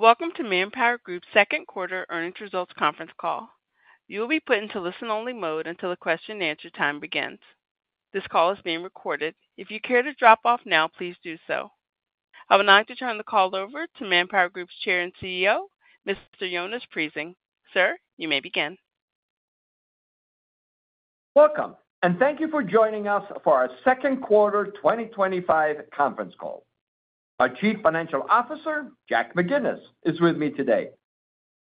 Welcome to ManpowerGroup's Second Quarter Earnings Results Conference Call. You will be put into listen-only mode until the question and answer time begins. This call is being recorded. If you care to drop off now, please do so. I would like to turn the call over to ManpowerGroup's Chair and CEO, Mr. Jonas Prising. Sir, you may begin. Welcome and thank you for joining us for our second quarter 2025 conference call. Our Chief Financial Officer Jack McGinnis is with me today.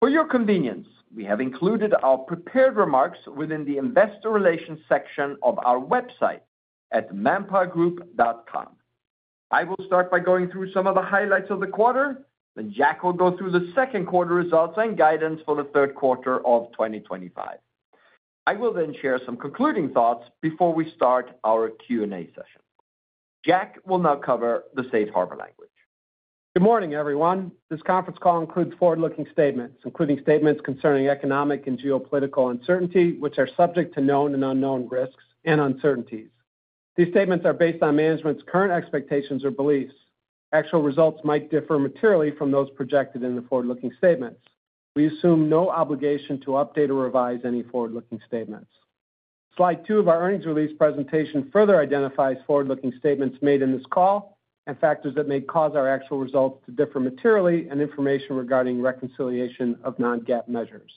For your convenience, we have included our prepared remarks within the Investor Relations section of our website at manpowergroup.com. I will start by going through some of the highlights of the quarter. Jack will go through the second quarter results and guidance for the third quarter of 2025. I will then share some concluding thoughts before we start our Q&A session. Jack will now cover the safe harbor language. Good morning everyone. This conference call includes forward-looking statements, including statements concerning economic and geopolitical uncertainty, which are subject to known and unknown risks and uncertainties. These statements are based on management's current expectations or beliefs. Actual results might differ materially from those projected in the forward-looking statements. We assume no obligation to update or revise any forward-looking statements. Slide two of our earnings release presentation further identifies forward-looking statements made in this call and factors that may cause our actual results to differ materially, and information regarding reconciliation of non-GAAP measures.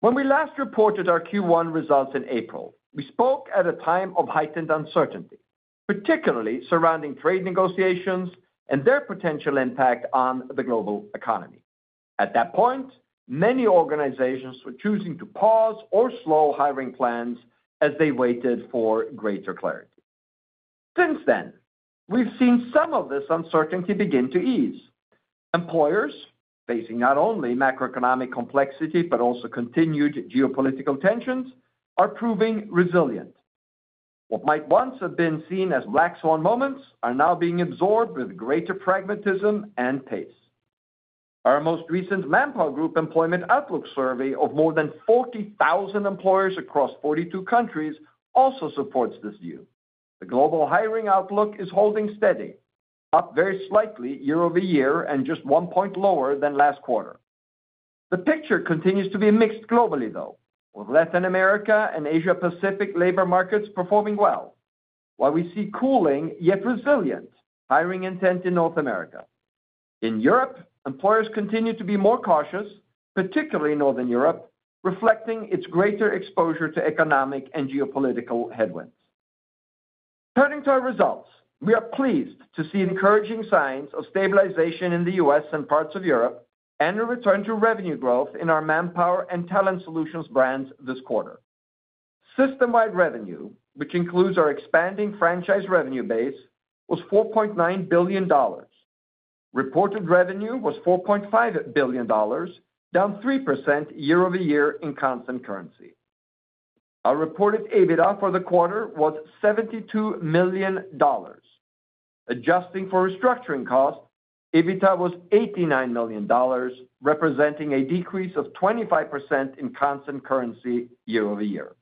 When we last reported our Q1 results in April, we spoke at a time of heightened uncertainty, particularly surrounding trade negotiations and their potential impact on the global economy. At that point, many organizations were choosing to pause or slow hiring plans as they waited for greater clarity. Since then, we've seen some of this uncertainty begin to ease. Employers facing not only macroeconomic complexity but also continued geopolitical tensions are proving resilient. What might once have been seen as black swan moments are now being absorbed with greater pragmatism and pace. Our most recent ManpowerGroup employment outlook survey of more than 40,000 employers across 42 countries also supports this view. The global hiring outlook is holding steady, up very slightly year-over-year and just one point lower than last quarter. The picture continues to be mixed globally though, with Latin America and Asia Pacific labor markets performing well. While we see cooling yet resilient hiring intent in North America, in Europe employers continue to be more cautious, particularly in Northern Europe, reflecting its greater exposure to economic and geopolitical headwinds. Turning to our results, we are pleased to see encouraging signs of stabilization in the U.S. and parts of Europe and a return to revenue growth in our Manpower and Talent Solutions brands. This quarter, system-wide revenue, which includes our expanding franchise revenue base, was $4.9 billion. Reported revenue was $4.5 billion, down 3% year-over-year in constant currency. Our reported EBITDA for the quarter was $72 million. Adjusting for restructuring cost, EBITDA was $89 million, representing a decrease of 25% in constant currency year-over-year.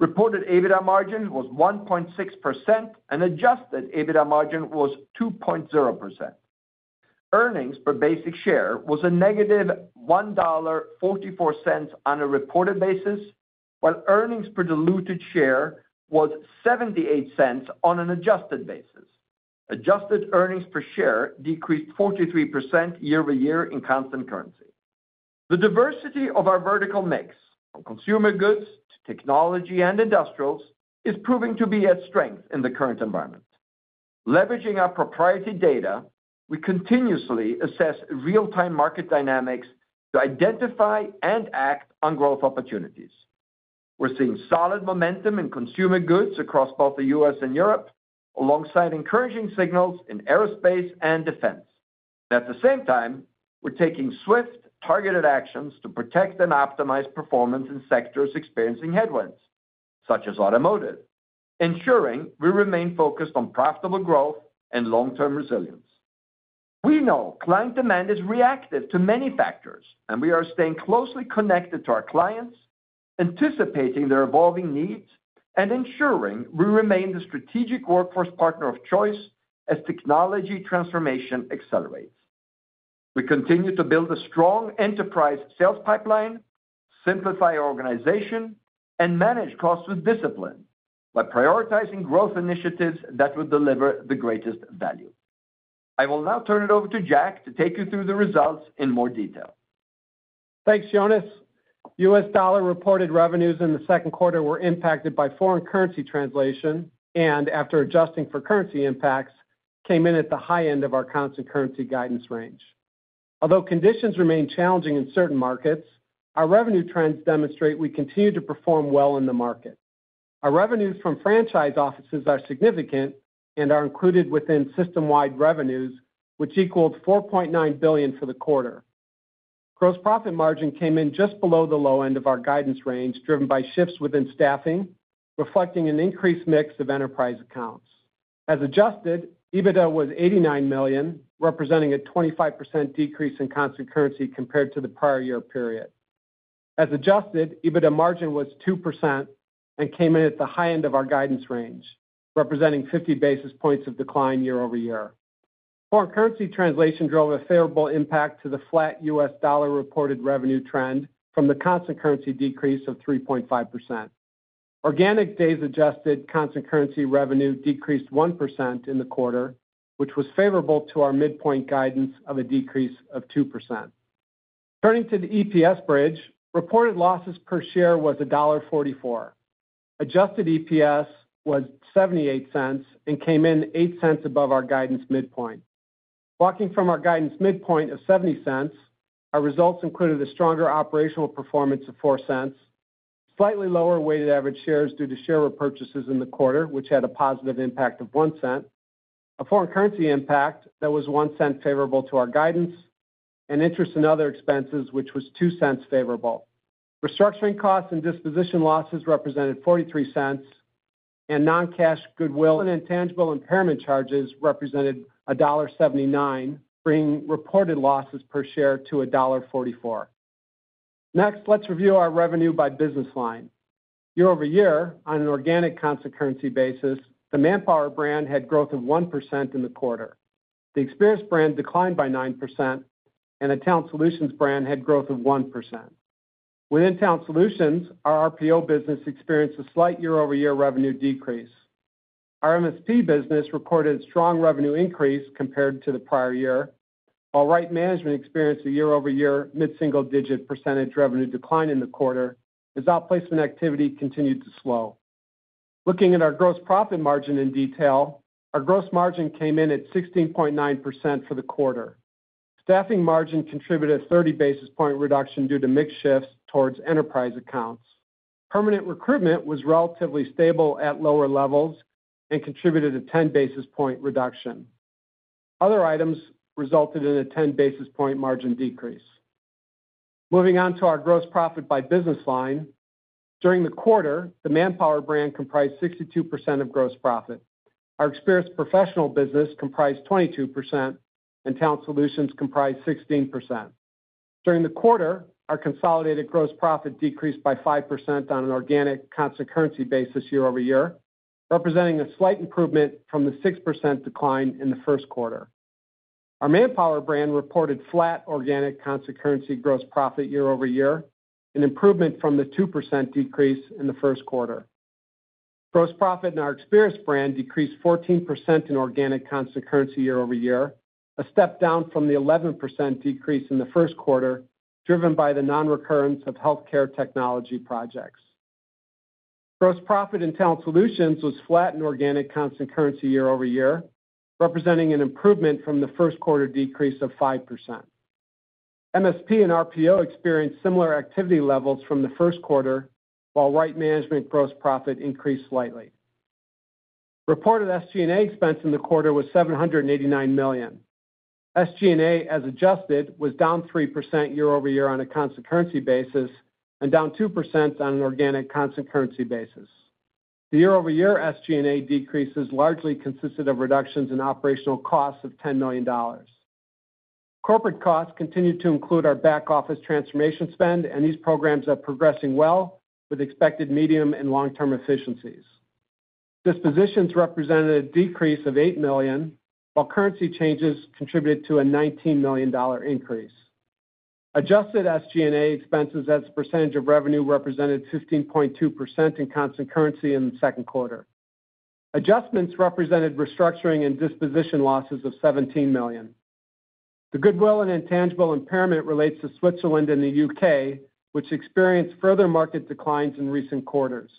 Reported EBITDA margin was 1.6% and adjusted EBITDA margin was 2.0%. Earnings per basic share was a -$1.44 on a reported basis while earnings per diluted share was $0.78 on an adjusted basis. Adjusted earnings per share decreased 43% year-over-year in constant currency. Diversity Of our vertical mix from consumer goods. To technology and industrials is proving to be a strength in the current environment. Leveraging our proprietary data, we continuously assess real-time market dynamics to identify and act on growth opportunities. We're seeing solid momentum in consumer goods across both the U.S. and Europe, alongside encouraging signals in aerospace and defense. At the same time, we're taking swift, targeted actions to protect and optimize performance in sectors experiencing headwinds such as automotive, ensuring we remain focused on profitable growth and long-term resilience. We know client demand is reactive to many factors, and we are staying closely connected to our clients, anticipating their evolving needs and ensuring we remain the strategic. Workforce partner of choice. As technology transformation accelerates, we continue to build a strong enterprise sales pipeline, simplify organization, and manage costs with discipline by prioritizing growth initiatives that will deliver the greatest value. I will now turn it over to Jack to take you through the results in more detail. Thanks Jonas. U.S. dollar reported revenues in the second quarter were impacted by foreign currency translation, and after adjusting for currency impacts, came in at the high end of our constant currency guidance range. Although conditions remain challenging in certain markets, our revenue trends demonstrate we continue to perform well in the market. Our revenues from franchise offices are significant and are included within system-wide revenues, which equaled $4.9 billion for the quarter. Gross profit margin came in just below the low end of our guidance range, driven by shifts within staffing reflecting an increased mix of enterprise accounts. Adjusted EBITDA was $89 million, representing a 25% decrease in constant currency compared to the prior year period. Adjusted EBITDA margin was 2% and came in at the high end of our guidance range, representing 50 basis points of decline year-over-year. Foreign currency translation drove a favorable impact to the flat U.S. dollar reported revenue trend from the constant currency decrease of 3.5%. Organic days adjusted constant currency revenue decreased 1% in the quarter, which was favorable to our midpoint guidance of a decrease of 2%. Turning to the EPS bridge, reported losses per share was $1.44. Adjusted EPS was $0.78 and came in $0.08 above our guidance midpoint. Walking from our guidance midpoint of $0.70, our results included a stronger operational performance of $0.04, slightly lower weighted average shares due to share repurchases in the quarter which had a positive impact of $0.01, a foreign currency impact that was $0.01 favorable to our guidance, and interest and other expenses which was $0.02 favorable. Restructuring costs and disposition losses represented $0.43, and non-cash goodwill and intangible impairment charges represented $1.79, bringing reported losses per share to $1.44. Next, let's review our revenue by business line year-over-year on an organic constant currency basis. The Manpower brand had growth of 1% in the quarter, the Experis brand declined by 9%, and the Talent Solutions brand had growth of 1%. Within Talent Solutions, our RPO business experienced a slight year-over-year revenue decrease. Our MSP business reported strong revenue increase compared to the prior year, while Right Management experienced a year-over-year mid-single digit percentage revenue decline in the quarter as outplacement activity continued to slow. Looking at our gross profit margin in detail, our gross margin came in at 16.9% for the quarter. Staffing margin contributed a 30 basis point reduction due to mix shifts towards enterprise accounts. Permanent recruitment was relatively stable at lower levels and contributed a 10 basis point reduction. Other items resulted in a 10 basis point margin decrease. Moving on to our gross profit by business line during the quarter, the Manpower brand comprised 62% of gross profit. Our Experis professional business comprised 22% and Talent Solutions comprised 16%. During the quarter, our consolidated gross profit decreased by 5% on an organic constant currency basis year-over-year, representing a slight improvement from the 6% decline in the first quarter. Our Manpower brand reported flat organic constant currency gross profit year-over-year, an improvement from the 2% decrease in the first quarter. Gross profit in our Experis brand decreased 14% in organic constant currency year-over-year, a step down from the 11% decrease in the first quarter, driven by the non-recurrence of healthcare technology projects. Gross profit in Talent Solutions was flat in organic constant currency year-over-year, representing an improvement from the first quarter decrease of 5%. MSP and RPO experienced similar activity levels from the first quarter, while Right Management gross profit increased slightly. Reported SG&A expense in the quarter was $789 million. SG&A as adjusted was down 3% year-over-year on a constant currency basis and down 2% on an organic constant currency basis. The year-over-year SG&A decreases largely consisted of reductions in operational costs of $10 million. Corporate costs continue to include our back office transformation spend, and these programs are progressing well with expected medium and long-term efficiencies. Dispositions represented a decrease of $8 million, while currency changes contributed to a $19 million increase. Adjusted SG&A expenses as a percentage of revenue represented 15.2% in constant currency in the second quarter. Adjustments represented restructuring and disposition losses of $17 million. The goodwill and intangible impairment relates to Switzerland and the U.K., which experienced further market declines in recent quarters.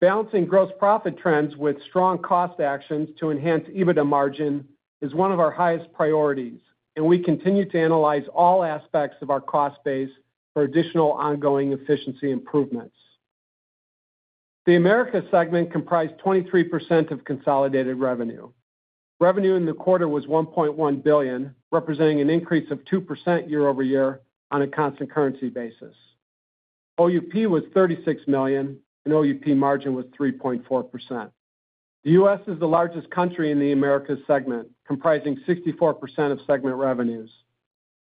Balancing gross profit trends with strong cost actions to enhance EBITDA margin is one of our highest priorities, and we continue to analyze all aspects of our cost base for additional ongoing efficiency improvements. The Americas segment comprised 23% of consolidated revenue. Revenue in the quarter was $1.1 billion, representing an increase of 2% year-over-year on a constant currency basis. OUP was $36 million and OUP margin was 3.4%. The U.S. is the largest country in the Americas segment, comprising 64% of segment revenues.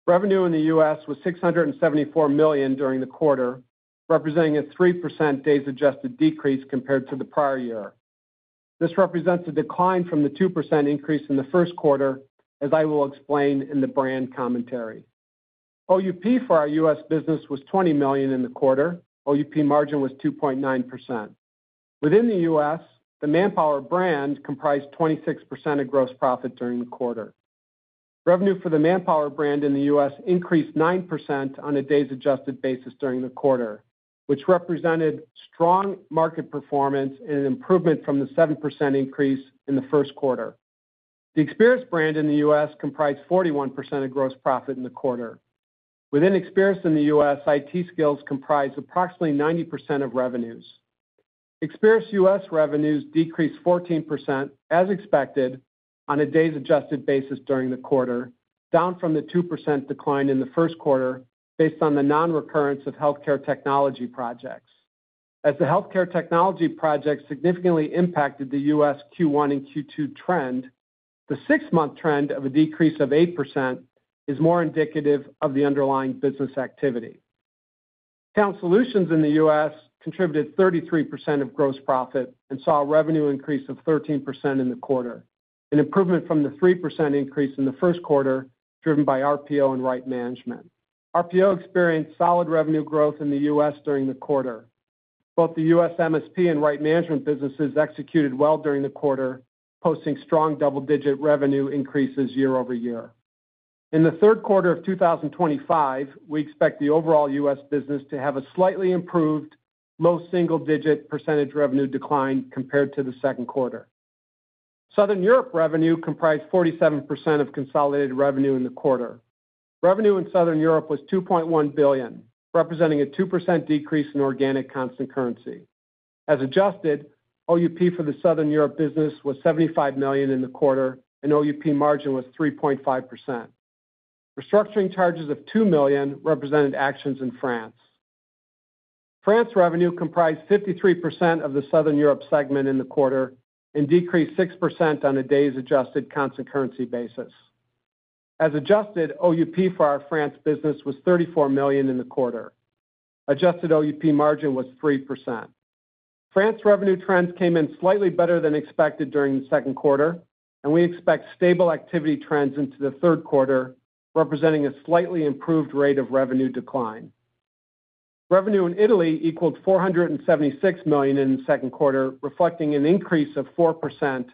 Revenue in the U.S. was $674 million during the quarter, representing a 3% days adjusted decrease compared to the prior year. This represents a decline from the 2% increase in the first quarter. As I will explain in the brand commentary, OUP for our U.S. business was $20 million in the quarter. OUP margin was 2.9%. Within the U.S., the Manpower brand comprised 26% of gross profit during the quarter. Revenue for the Manpower brand in the U.S. increased 9% on a days adjusted basis during the quarter, which represented strong market performance and an improvement from the 7% increase in the first quarter. The Experis brand in the U.S. comprised 41% of gross profit in the quarter. Within Experis in the U.S., IT skills comprise approximately 90% of revenues. Experis U.S. revenues decreased 14% as expected on a days adjusted basis during the quarter, down from the 2% decline in the first quarter based on the non-recurrence of healthcare technology projects. As the healthcare technology project significantly impacted the U.S. Q1 and Q2 trend, the six-month trend of a decrease of 8% is more indicative of the underlying business activity count. Talent Solutions in the U.S. contributed 33% of gross profit and saw a revenue increase of 13% in the quarter, an improvement from the 3% increase in the first quarter driven by RPO and Right Management. RPO experienced solid revenue growth in the U.S. during the quarter. Both the U.S. MSP and Right Management businesses executed well during the quarter, posting strong double-digit revenue increases year-over-year. In the third quarter of 2025, we expect the overall U.S. business to have a slightly improved low single-digit percentage revenue decline compared to the second quarter. Southern Europe revenue comprised 47% of consolidated revenue in the quarter. Revenue in Southern Europe was $2.1 billion, representing a 2% decrease in organic constant currency as adjusted. OUP for the Southern Europe business was $75 million in the quarter and OUP margin was 3.5%. Restructuring charges of $2 million represented actions in France. France revenue comprised 53% of the Southern Europe segment in the quarter and decreased 6% on a days adjusted constant currency basis. As adjusted, OUP for our France business was $34 million in the quarter. Adjusted OUP margin was 3%. France revenue trends came in slightly better than expected during the second quarter, and we expect stable activity trends into the third quarter, representing a slightly improved rate of revenue decline. Revenue in Italy equaled $476 million in the second quarter, reflecting an increase of 4%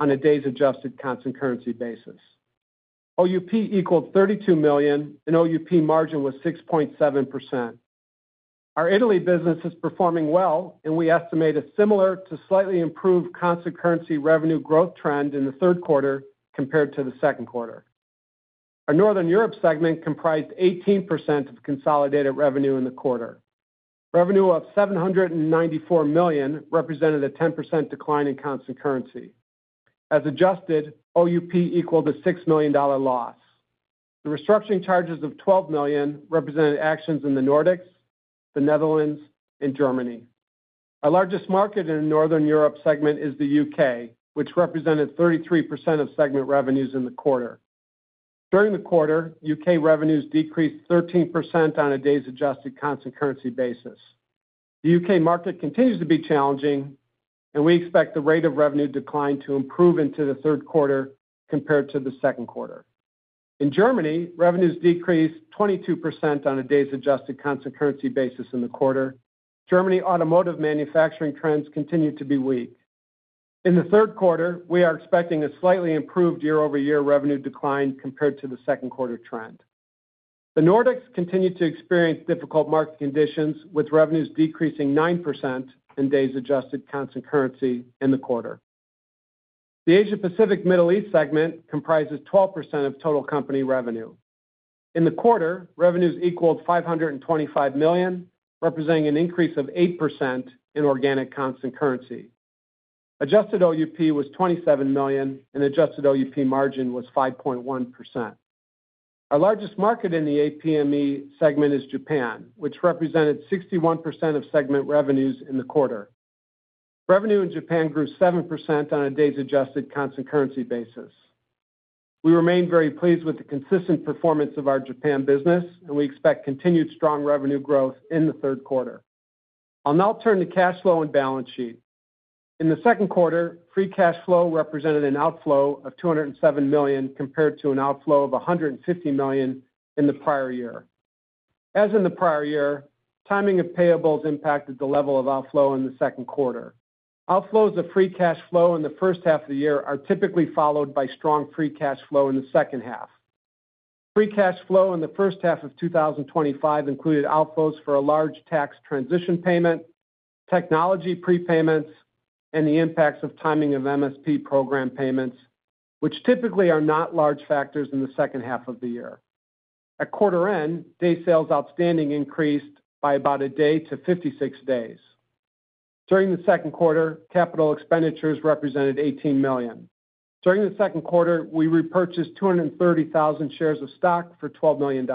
on a days adjusted constant currency basis. OUP equals $32 million, and OUP margin was 6.7%. Our Italy business is performing well, and we estimate a similar to slightly improved constant currency revenue growth trend in the third quarter compared to the second quarter. Our Northern Europe segment comprised 18% of consolidated revenue in the quarter. Revenue of $794 million represented a 10% decline in constant currency as adjusted. OUP equaled a $6 million loss. The restructuring charges of $12 million represented actions in the Nordics, the Netherlands, and Germany. Our largest market in the Northern Europe segment is the U.K., which represented 33% of segment revenues in the quarter. During the quarter, U.K. revenues decreased 13% on a days adjusted constant currency basis. The U.K. market continues to be challenging, and we expect the rate of revenue decline to improve into the third quarter compared to the second quarter. In Germany, revenues decreased 22% on a days adjusted constant currency basis in the quarter. Germany automotive manufacturing trends continued to be weak in the third quarter. We are expecting a slightly improved year-over-year revenue decline compared to the second quarter trend. The Nordics continued to experience difficult market conditions, with revenues decreasing 9% in days adjusted constant currency in the quarter. The Asia Pacific Middle East segment comprises 12% of total company revenue in the quarter. Revenues equaled $525 million, representing an increase of 8% in organic constant currency. Adjusted OUP was $27 million, and adjusted OUP margin was 5.1%. Our largest market in the APME segment is Japan, which represented 61% of segment revenues in the quarter. Revenue in Japan grew 7% on a days adjusted constant currency basis. We remain very pleased with the consistent performance of our Japan business, and we expect continued strong revenue growth in the third quarter. I'll now turn to cash flow and balance sheet. In the second quarter, free cash flow represented an outflow of $207 million compared to an outflow of $150 million in the prior year. As in the prior year, timing of payables impacted the level of outflow in the second quarter. Outflows of free cash flow in the first half of the year are typically followed by strong free cash flow in the second half. Free cash flow in the first half of 2025 included outflows for a large tax transition payment, technology prepayments, and the impacts of timing of MSP program payments, which typically are not large factors in the second half of the year. At quarter end, days sales outstanding increased by about a day to 56 days. During the second quarter, capital expenditures represented $18 million. During the second quarter, we repurchased 230,000 shares of stock for $12 million.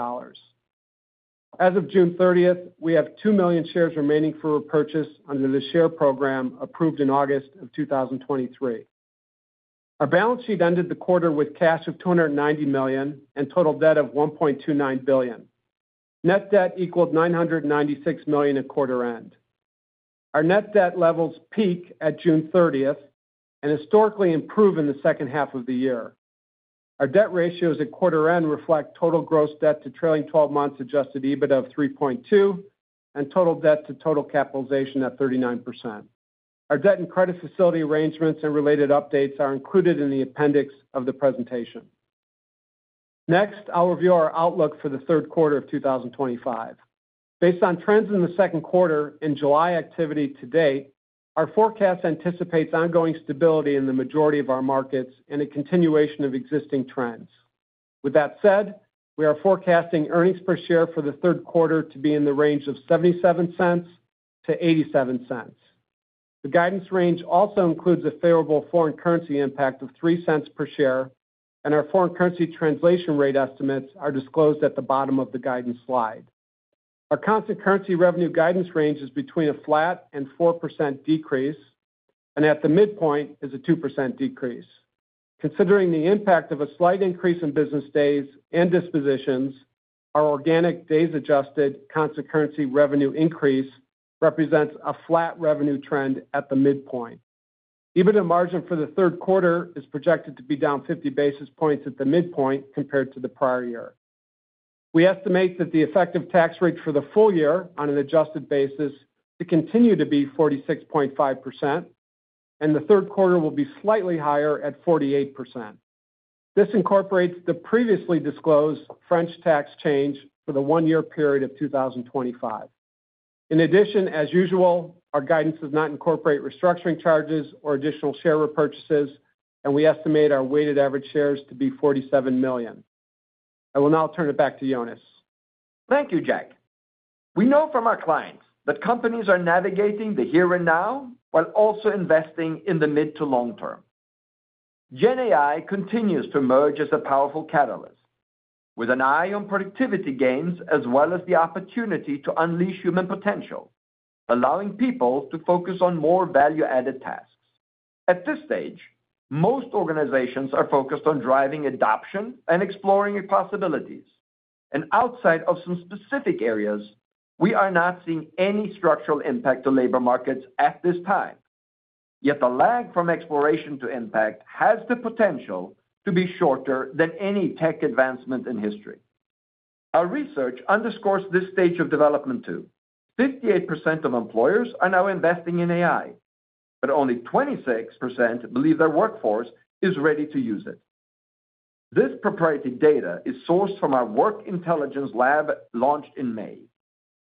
As of June 30, we have 2 million shares remaining for repurchase under the share program approved in August of 2023. Our balance sheet ended the quarter with cash of $290 million and total debt of $1.29 billion. Net debt equaled $996 million at quarter end. Our net debt levels peak at June 30 and historically improve in the second half of the year. Our debt ratios at quarter end reflect total gross debt to trailing 12 months adjusted EBITDA of 3.2 and total debt to total capitalization at 39%. Our debt and credit facility arrangements and related updates are included in the appendix of the presentation. Next, I'll review our outlook for the third quarter of 2025 based on trends in the second quarter and July activity to date. Our forecast anticipates ongoing stability in the majority of our markets and a continuation of existing trends. With that said, we are forecasting earnings per share for the third quarter to be in the range of $0.77 to $0.87. The guidance range also includes a favorable foreign currency impact of $0.03 per share and our foreign currency translation rate. Estimates are disclosed at the bottom of the guidance slide. Our constant currency revenue guidance range is between a flat and 4% decrease and at the midpoint is a 2% decrease considering the impact of a slight increase in business days and dispositions. Our organic days adjusted constant currency revenue increase represents a flat revenue trend at the midpoint. EBITDA margin for the third quarter is projected to be down 50 basis points at the midpoint compared to the prior year. We estimate that the effective tax rate for the full year on an adjusted basis to continue to be 46.5% and the third quarter will be slightly higher at 48%. This incorporates the previously disclosed French tax change for the one year period of 2025. In addition, as usual, our guidance does not incorporate restructuring charges or additional share repurchases, and we estimate our weighted average shares to be 47 million. I will now turn it back to. Jonas, thank you. Jack, we know from our clients that companies are navigating the here and now while also investing in the mid to long-term. GenAI continues to emerge as a powerful catalyst with an eye on productivity gains as well as the opportunity to unleash human potential, allowing people to focus on more value-added tasks. At this stage, most organizations are focused on driving adoption and exploring possibilities, and outside of some specific areas, we are not seeing any structural impact to labor markets at this time. Yet the lag from exploration to impact has the potential to be shorter than any tech advancement in history. Our research underscores this stage of development too. 58% of employers are now investing in AI, but only 26% believe their workforce is ready to use it. This proprietary data is sourced from our Work Intelligence Lab, launched in May,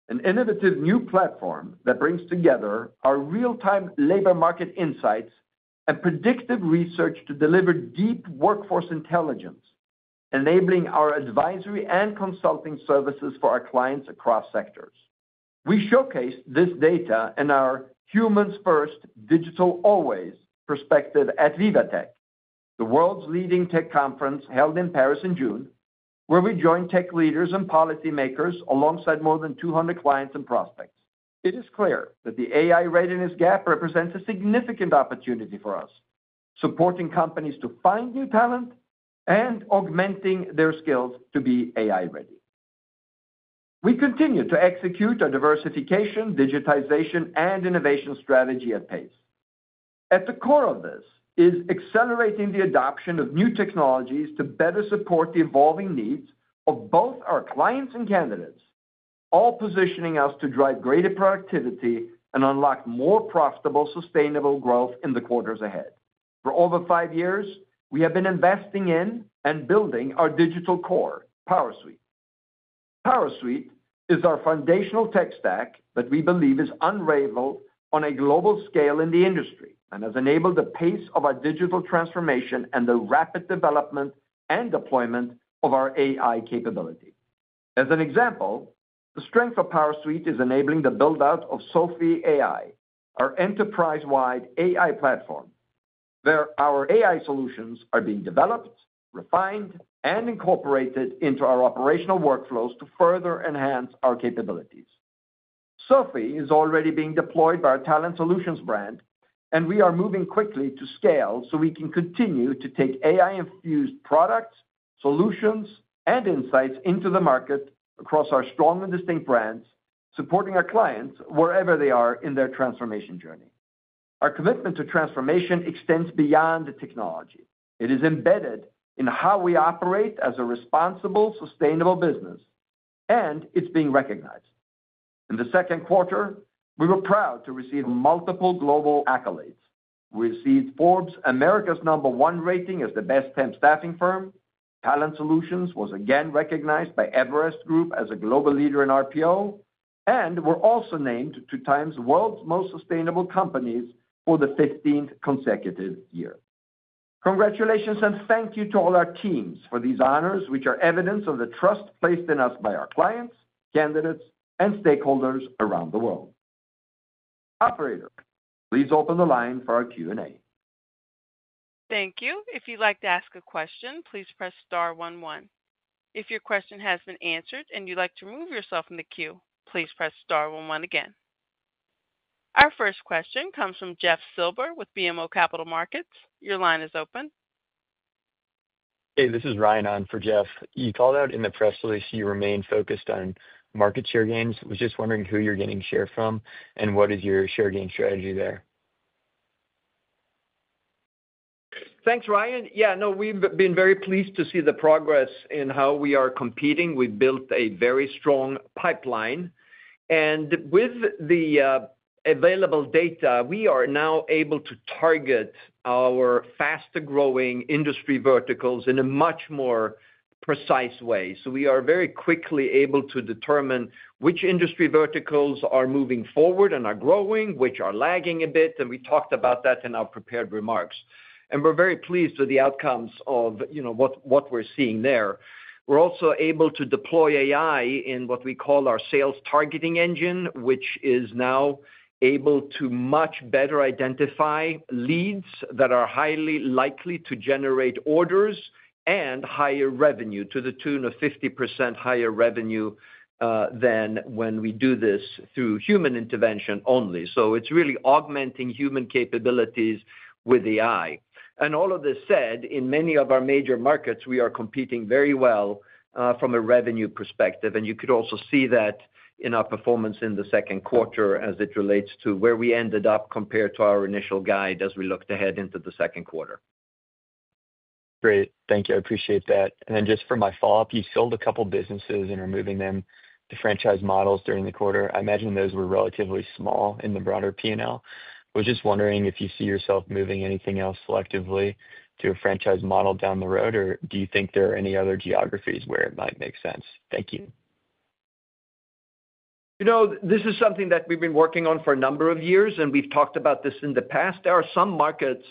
an innovative new platform that brings together our real-time labor market insights and predictive research to deliver deep workforce intelligence, enabling our advisory and consulting services for our clients across sectors. We showcased this data in our Humans First Digital Always perspective at Viva Tech, the world's leading tech conference held in Paris in June, where we joined tech leaders and policymakers alongside more than 200 clients and prospects. It is clear that the AI readiness gap represents a significant opportunity for us, supporting companies to find new talent and augmenting their skills to be AI ready. We continue to execute our diversification, digitization, and innovation strategy at pace. At the core of this is accelerating the adoption of new technologies to better support the evolving needs of both our clients and candidates, all positioning us to drive greater productivity and unlock more profitable, sustainable growth in the quarters ahead. For over five years, we have been investing in and building our digital core, PowerSuite. PowerSuite is our foundational tech stack that we believe is unrivaled on a global scale in the industry and has enabled the pace of our digital transformation and the rapid development and deployment of our AI capability. As an example, the strength of PowerSuite is enabling the build-out of Sophie AI, our enterprise-wide AI platform where our AI solutions are being developed, refined, and incorporated into our operational workflows to further enhance our capabilities. Sophie AI is already being deployed by our Talent Solutions brand and we are moving quickly to scale so we can continue to take AI-infused products, solutions, and insights into the market across our strong and distinct brands, supporting our clients wherever they are in their transformation journey. Our commitment to transformation extends beyond the technology. It is embedded in how we operate as a responsible, sustainable business, and it's being recognized. In the second quarter, we were proud to receive multiple global accolades. We received Forbes America's number one rating as the best temp staffing firm. Talent Solutions was again recognized by Everest Group as a global leader in RPO and we were also named one of the World's Most Sustainable Companies for the 15th consecutive year. Congratulations and thank you to all our teams for these honors, which are evidence of the trust placed in us by our clients, candidates, and stakeholders around the world. Operator, please open the line for our Q&A. Thank you. If you'd like to ask a question, please press star one one. If your question has been answered and you'd like to remove yourself from the queue, please press star one 1oneagain. Our first question comes from Jeff Silber with BMO Capital Markets. Your line is open. Hey, this is Ryan on for Jeff. You called out in the press release you remain focused on market share gains. Was just wondering who you're getting share from and what is your share gain strategy. There. Thanks, Ryan. Yeah, no, we've been very pleased to see the progress in how we are competing. We built a very strong pipeline, and with the available data, we are now able to target our faster growing industry verticals in a much more precise way. We are very quickly able to determine which industry verticals are moving forward and are growing, which are lagging a bit. We talked about that in our prepared remarks, and we're very pleased with the outcomes of what we're seeing there. We're also able to deploy AI in what we call our sales targeting engine, which is now able to much better identify leads that are highly likely to generate orders and higher revenue to the tune of 50% higher revenue than when we do this through human intervention only. It is really augmenting human capabilities with AI. All of this said, in many of our major markets, we are competing very well from a revenue perspective. You could also see that in our performance in the second quarter as it relates to where we ended up compared to our initial guide as we looked ahead into the second quarter. Great, thank you. I appreciate that. Just for my follow-up, you sold a couple businesses and are moving them to franchise models during the quarter. I imagine those were relatively small in the broader P&L. I was just wondering if you see yourself moving anything else selectively to a franchise model down the road, or do you think there are any other geographies where it might make sense? Thank you. This is something that we've been working on for a number of years, and we've talked about this in the past. There are some markets,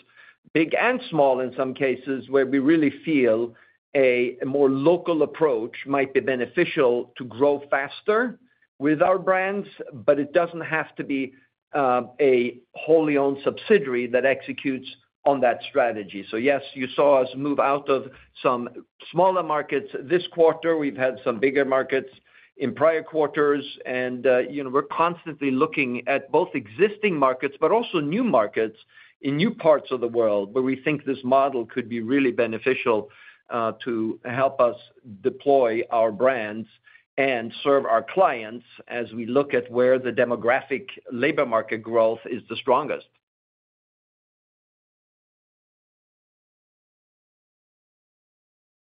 big and small in some cases, where we really feel a more local approach might be beneficial to grow faster with our brands. It doesn't have to be a wholly owned subsidiary that executes on that strategy. Yes, you saw us move out of some smaller markets this quarter. We've had some bigger markets in prior quarters, and we're constantly looking at both existing markets and new markets in new parts of the world where we think this model could be really beneficial to help us deploy our brands and serve our clients as we look at where the demographic labor market growth is the strongest.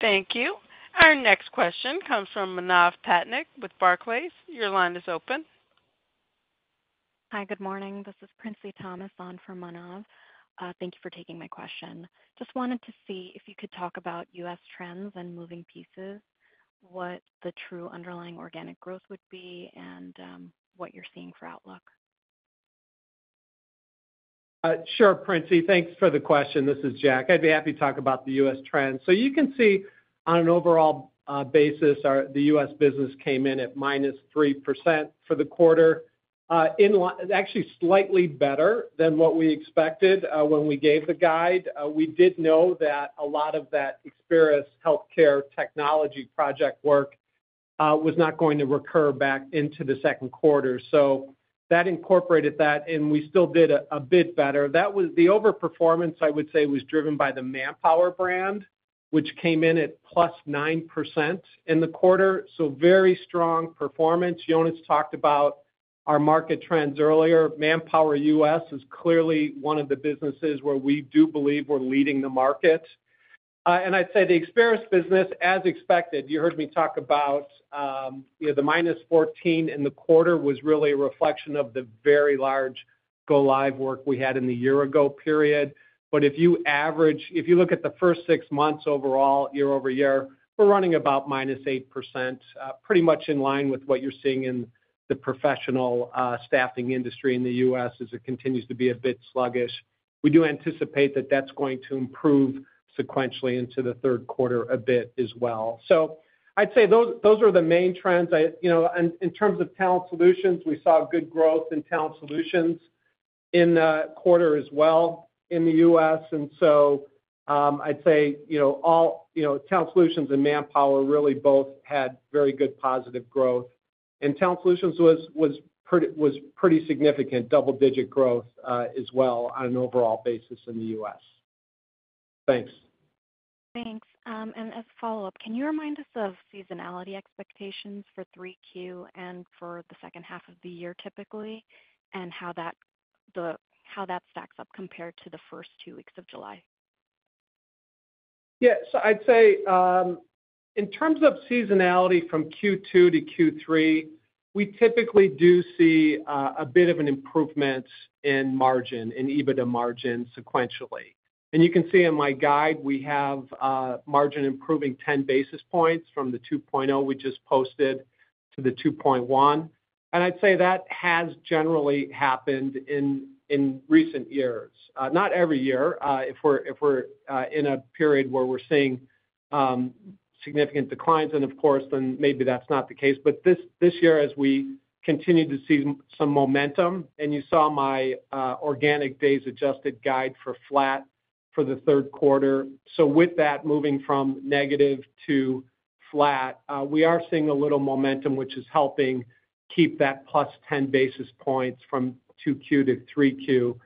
Thank you. Our next question comes from Manav Patnaik with Barclays. Your line is open. Hi, good morning. This is Princy Thomas on for Manav. Thank you for taking my question. Just wanted to see if you could talk about U.S. trends and moving pieces, what the true underlying organic growth would be, and what you're seeing for outlook. Sure. Princy, thanks for the question. This is Jack. I'd be happy to talk about the U.S. trend. You can see on an overall basis the U.S. business came in at -3% for the quarter, actually slightly better than what we expected when we gave the guide. We did know that a lot of that Experis healthcare technology project work was not going to recur back into the second quarter. That incorporated that and we still did a bit better. The overperformance I would say was driven by the Manpower brand which came in at +9% in the quarter. Very strong performance. Jonas talked about our market trends earlier. Manpower U.S. is clearly one of the businesses where we do believe we're leading the market and I'd say the Experis business as expected. You heard me talk about the -14% in the quarter, which was really a reflection of the very large go-live work we had in the year-ago period. If you average, if you look at the first six months overall year-over-year, we're running about -8%, pretty much in line with what you're seeing in the professional staffing industry in the U.S. as it continues to be a bit sluggish. We do anticipate that that's going to improve sequentially into the third quarter a bit as well. I'd say those are the main trends. In terms of Talent Solutions, we saw good growth in Talent Solutions in the quarter as well in the U.S. I'd say Talent Solutions and Manpower really both had very good positive growth and Talent Solutions was pretty significant double-digit growth as well on an overall basis in the U.S. Thanks, thanks. Can you remind us of seasonality expectations for 3Q and for the second half of the year typically, and how that stacks up compared to the first two weeks of July? Yes, I'd say in terms of seasonality from Q2 to Q3, we typically do see a bit of an improvement in margin in adjusted EBITDA margin sequentially, and you can see in my guide we have margin improving 10 basis points from the 2.0 we just posted to the 2.1. I'd say that has generally happened in recent years, not every year. If we're in a period where we're seeing significant declines, then maybe that's not the case. This year, as we continue to see some momentum and you saw my organic days adjusted guide for flat for the third quarter. With that moving from negative to flat, we are seeing a little momentum which is helping keep that plus 10 basis points from Q2 to 3Q.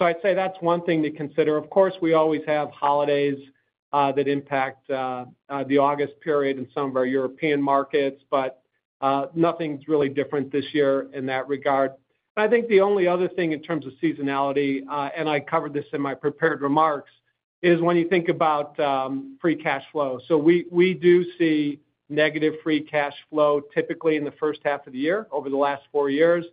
I'd say that's one thing to consider. Of course, we always have holidays that impact the August period in some of our European markets, but nothing's really different this year in that regard. I think the only other thing in terms of seasonality, and I covered this in my prepared remarks, is when you think about free cash flow. We do see negative free cash flow typically in the first half of the year over the last four years,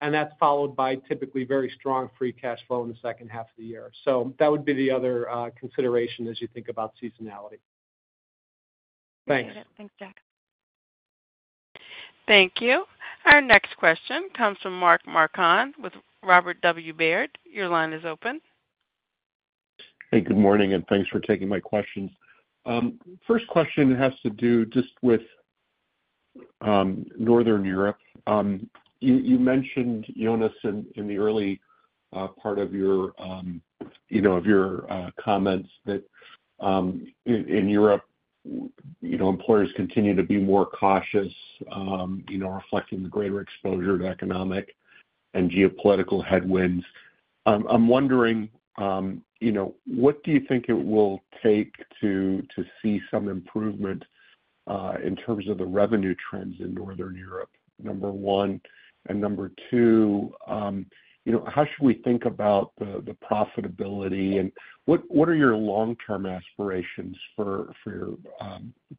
and that's followed by typically very strong free cash flow in the second half of the year. That would be the other consideration as you think about seasonality. Thanks, Jack. Thank you. Our next question comes from Mark Marcon with Robert W. Baird. Your line is open. Hey, good morning and thanks for taking my questions. First question has to do just with Northern Europe. You mentioned, Jonas, in the early part of your comments that in Europe employers continue to be more cautious, reflecting the greater exposure to economic and geopolitical headwinds. I'm wondering, what do you think it will take to see some improvement in terms of the revenue trends in Northern Europe? Number one, and number two, how should we think about the profitability? What are your long term aspirations for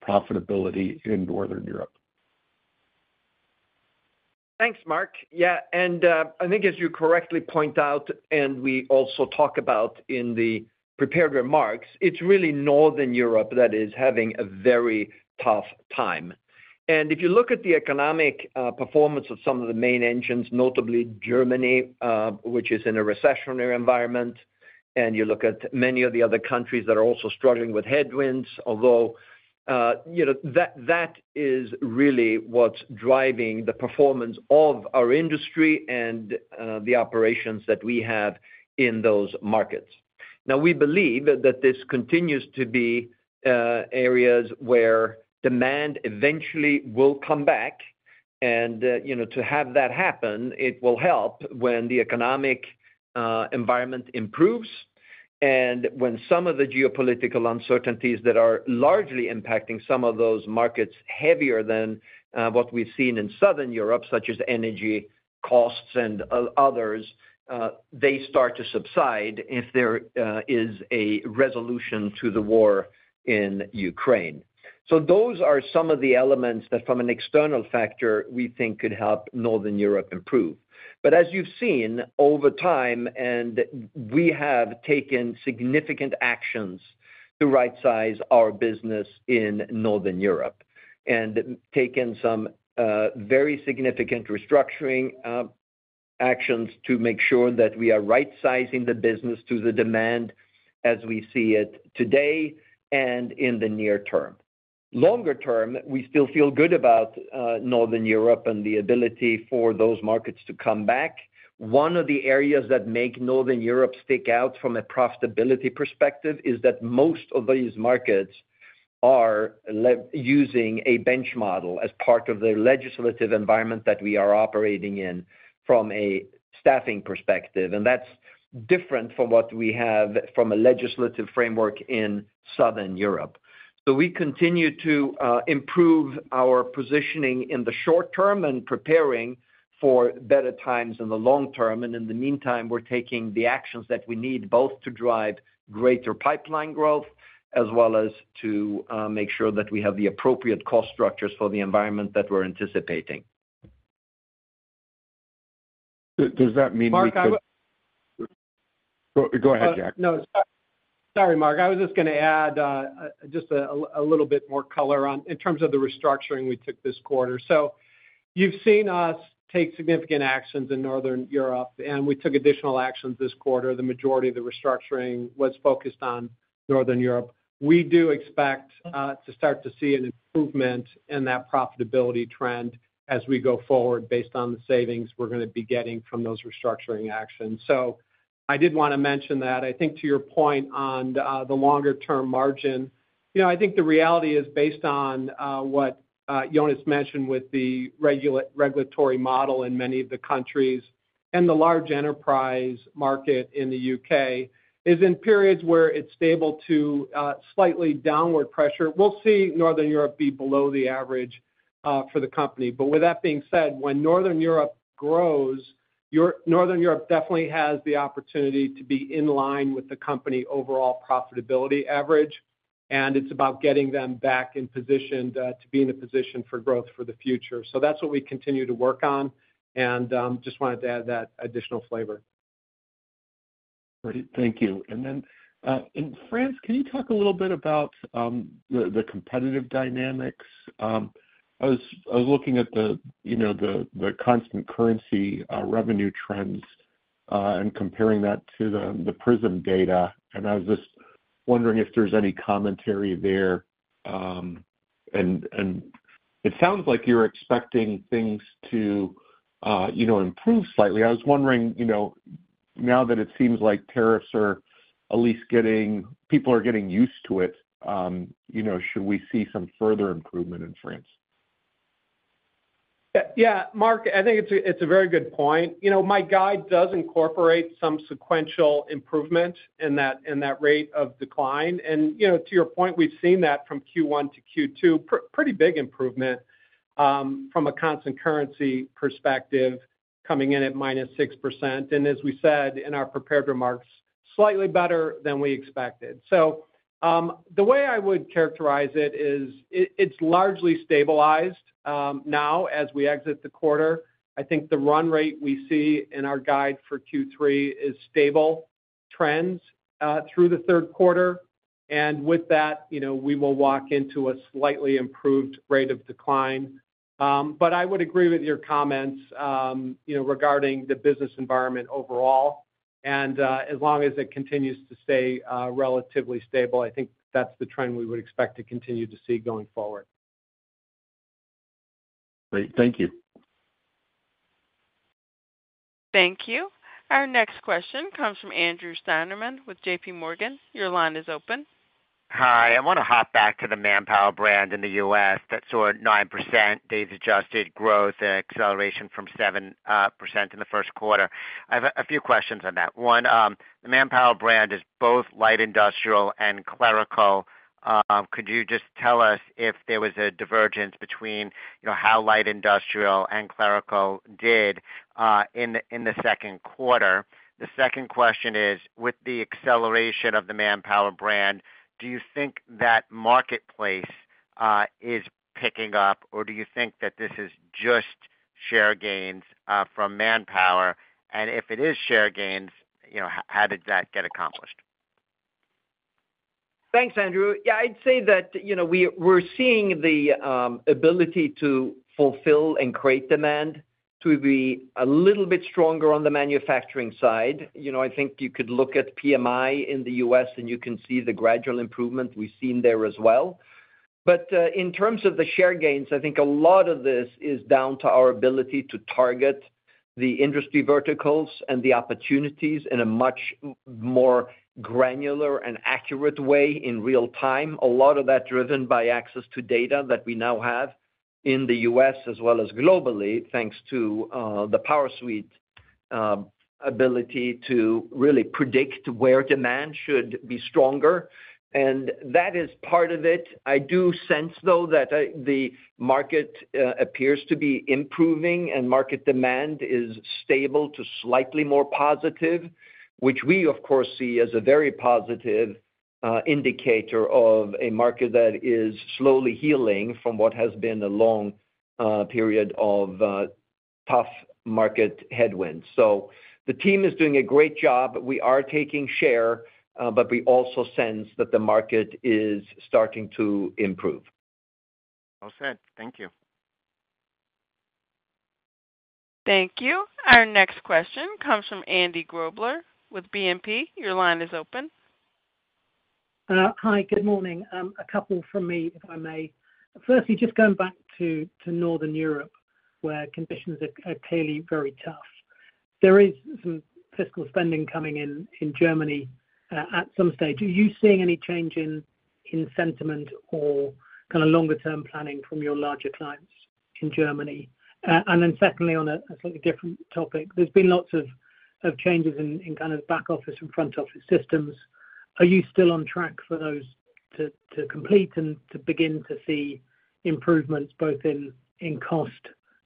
profitability in Northern Europe? Thanks, Mark. Yeah. I think as you correctly point out, and we also talk about in the prepared remarks, it's really Northern Europe that is having a very tough time. If you look at the economic performance of some of the main engines, notably Germany, which is in a recessionary environment, and you look at many of the other countries that are also struggling with headwinds, that is really what's driving the performance of our industry and the operations that we have in those markets now. We believe that this continues to be areas where demand eventually will come back. To have that happen, it will help when the economic environment improves and when some of the geopolitical uncertainties that are largely impacting some of those markets heavier than what we've seen in Southern Europe, such as energy costs and others, start to subside if there is a resolution to the war in Ukraine. Those are some of the elements that from an external factor we think could help Northern Europe improve. As you've seen over time, we have taken significant actions to right size our business in Northern Europe and taken some very significant restructuring actions to make sure that we are right sizing the business to the demand as we see it today. In the near term, longer term, we still feel good about Northern Europe and the ability for those markets to come back. One of the areas that make Northern Europe stick out from a profitability perspective is that most of these markets are using a bench model as part of the legislative environment that we are operating in from a staffing perspective. That's different from what we have from a legislative framework in Southern Europe. We continue to improve our positioning in the short term in preparing for better times in the long term. In the meantime, we're taking the actions that we need both to drive greater pipeline growth as well as to make sure that we have the appropriate cost structures for the environment that we're anticipating. Does that mean? Mark? Go ahead, Jack. Sorry, Mark. I was just going to add a little bit more color in terms of the restructuring we took this quarter. You've seen us take significant actions in Northern Europe and we took additional actions this quarter. The majority of the restructuring was focused on Northern Europe. We do expect to start to see an improvement in that profitability trend as we go forward based on the savings we're going to be getting from those restructuring actions. I did want to mention that to your point on the longer term margin, the reality is based on what Jonas mentioned, with the regulatory model in many of the countries and the large enterprise market in the U.K. in periods where it's stable to slightly downward pressure, we'll see Northern Europe be below the average for the company. With that being said, when Northern Europe grows, Northern Europe definitely has the opportunity to be in line with the company overall profitability average and it's about getting them back in position to be in a position for growth for the future. That's what we continue to work on and I just wanted to add that additional flavor. Great, thank you. France. Can you talk a little bit about the competitive dynamics? I was looking at the constant currency revenue trends and comparing that to the Prism data and I was just wondering if there's any commentary there. It sounds like you're expecting things to improve slightly. I was wondering now that it seems like tariffs are at least getting, people are getting used to it, should we see some further improvement in France? Yeah, Mark, I think it's a very good point. My guide does incorporate some sequential improvement in that rate of decline. To your point, we've seen that from Q1 to Q2, pretty big improvement from a constant currency perspective coming in at -6% and as we said in our prepared remarks, slightly better than we expected. The way I would characterize it is it's largely stabilized now as we exit the quarter. I think the run rate we see in our guide for Q3 is stable trends through the third quarter. With that we will walk into a slightly improved rate of decline. I would agree with your comments regarding the business environment overall. As long as it continues to stay relatively stable, I think that's the trend we would expect to continue to see going forward. Great. Thank you. Thank you. Our next question comes from Andrew Steinerman with JPMorgan. Your line is open. Hi. I want to hop back to the Manpower brand in the U.S. that soared 9% days adjusted growth acceleration from 7% in the first quarter. I have a few questions on that. One, the Manpower brand is both light industrial and clerical. Could you just tell us if there was a divergence between how light industrial and clerical did in the second quarter? The second question is with the acceleration of the Manpower brand, do you think that marketplace is picking up or do you think that this is just share gains from Manpower? If it is share gains, how did that get accomplished? Thanks, Andrew. I'd say that we're seeing the ability to fulfill and create demand to be a little bit stronger on the manufacturing side. I think you could look at PMI in the U.S. and you can see the gradual improvement we've seen there as well. In terms of the share gains, I think a lot of this is down to our ability to target the industry verticals and the opportunities in a much more granular and accurate way in real time. A lot of that is driven by access to data that we now have in the U.S. as well as globally, thanks to the PowerSuite ability to really predict where demand should be stronger. That is part of it. I do sense, though, that the market appears to be improving and market demand is stable to slightly more positive, which we of course see as a very positive indicator of a market that is slowly healing from what has been a long period of tough market headwinds. The team is doing a great job. We are taking share, but we also sense that the market is starting to improve. Thank you. Thank you. Our next question comes from Andy Grobler with BNP. Your line is open. Hi, good morning. A couple from me, if I may. Firstly, just going back to Northern Europe where conditions are clearly very tough. There is some fiscal spending coming in in Germany at some stage. Are you seeing any change in sentiment or kind of longer term planning from. Your larger clients in Germany? On a slightly different. Topic, there's been lots of changes in. Kind of back office and front office systems. Are you still on track for those? Complete and to begin to see improvements. Both in cost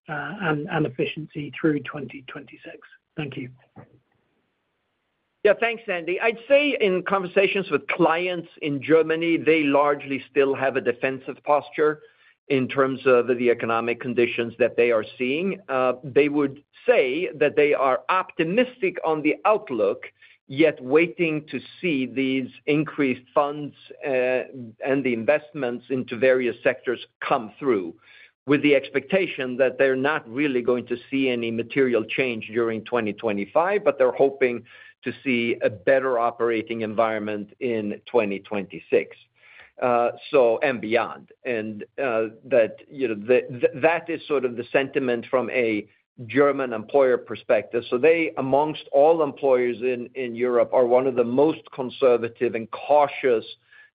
and efficiency through 2026? Thank you. Yeah, thanks, Andy. I'd say in conversations with clients in Germany, they largely still have a defensive posture in terms of the economic conditions that they are seeing. They would say that they are optimistic on the outlook, yet waiting to see these increased funds and the investments into various sectors come through with the expectation that they're not really going to see any material change during 2025, but they're hoping to see a better operating environment in 2026 and beyond. That is sort of the sentiment from a German employer perspective. They, amongst all employers in Europe, are one of the most conservative and cautious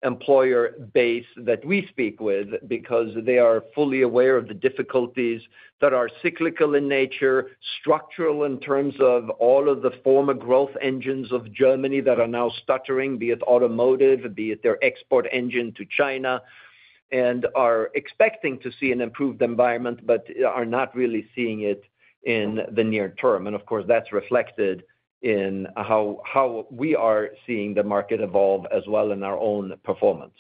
employer base that we speak with because they are fully aware of the difficulties that are cyclical in nature, structural in terms of all of the former growth engines of Germany that are now stuttering, be it automotive, be it their export engine to China, and are expecting to see an improved environment but are not really seeing it in the near term. Of course, that's reflected in how we are seeing the market evolve as well in our own performance.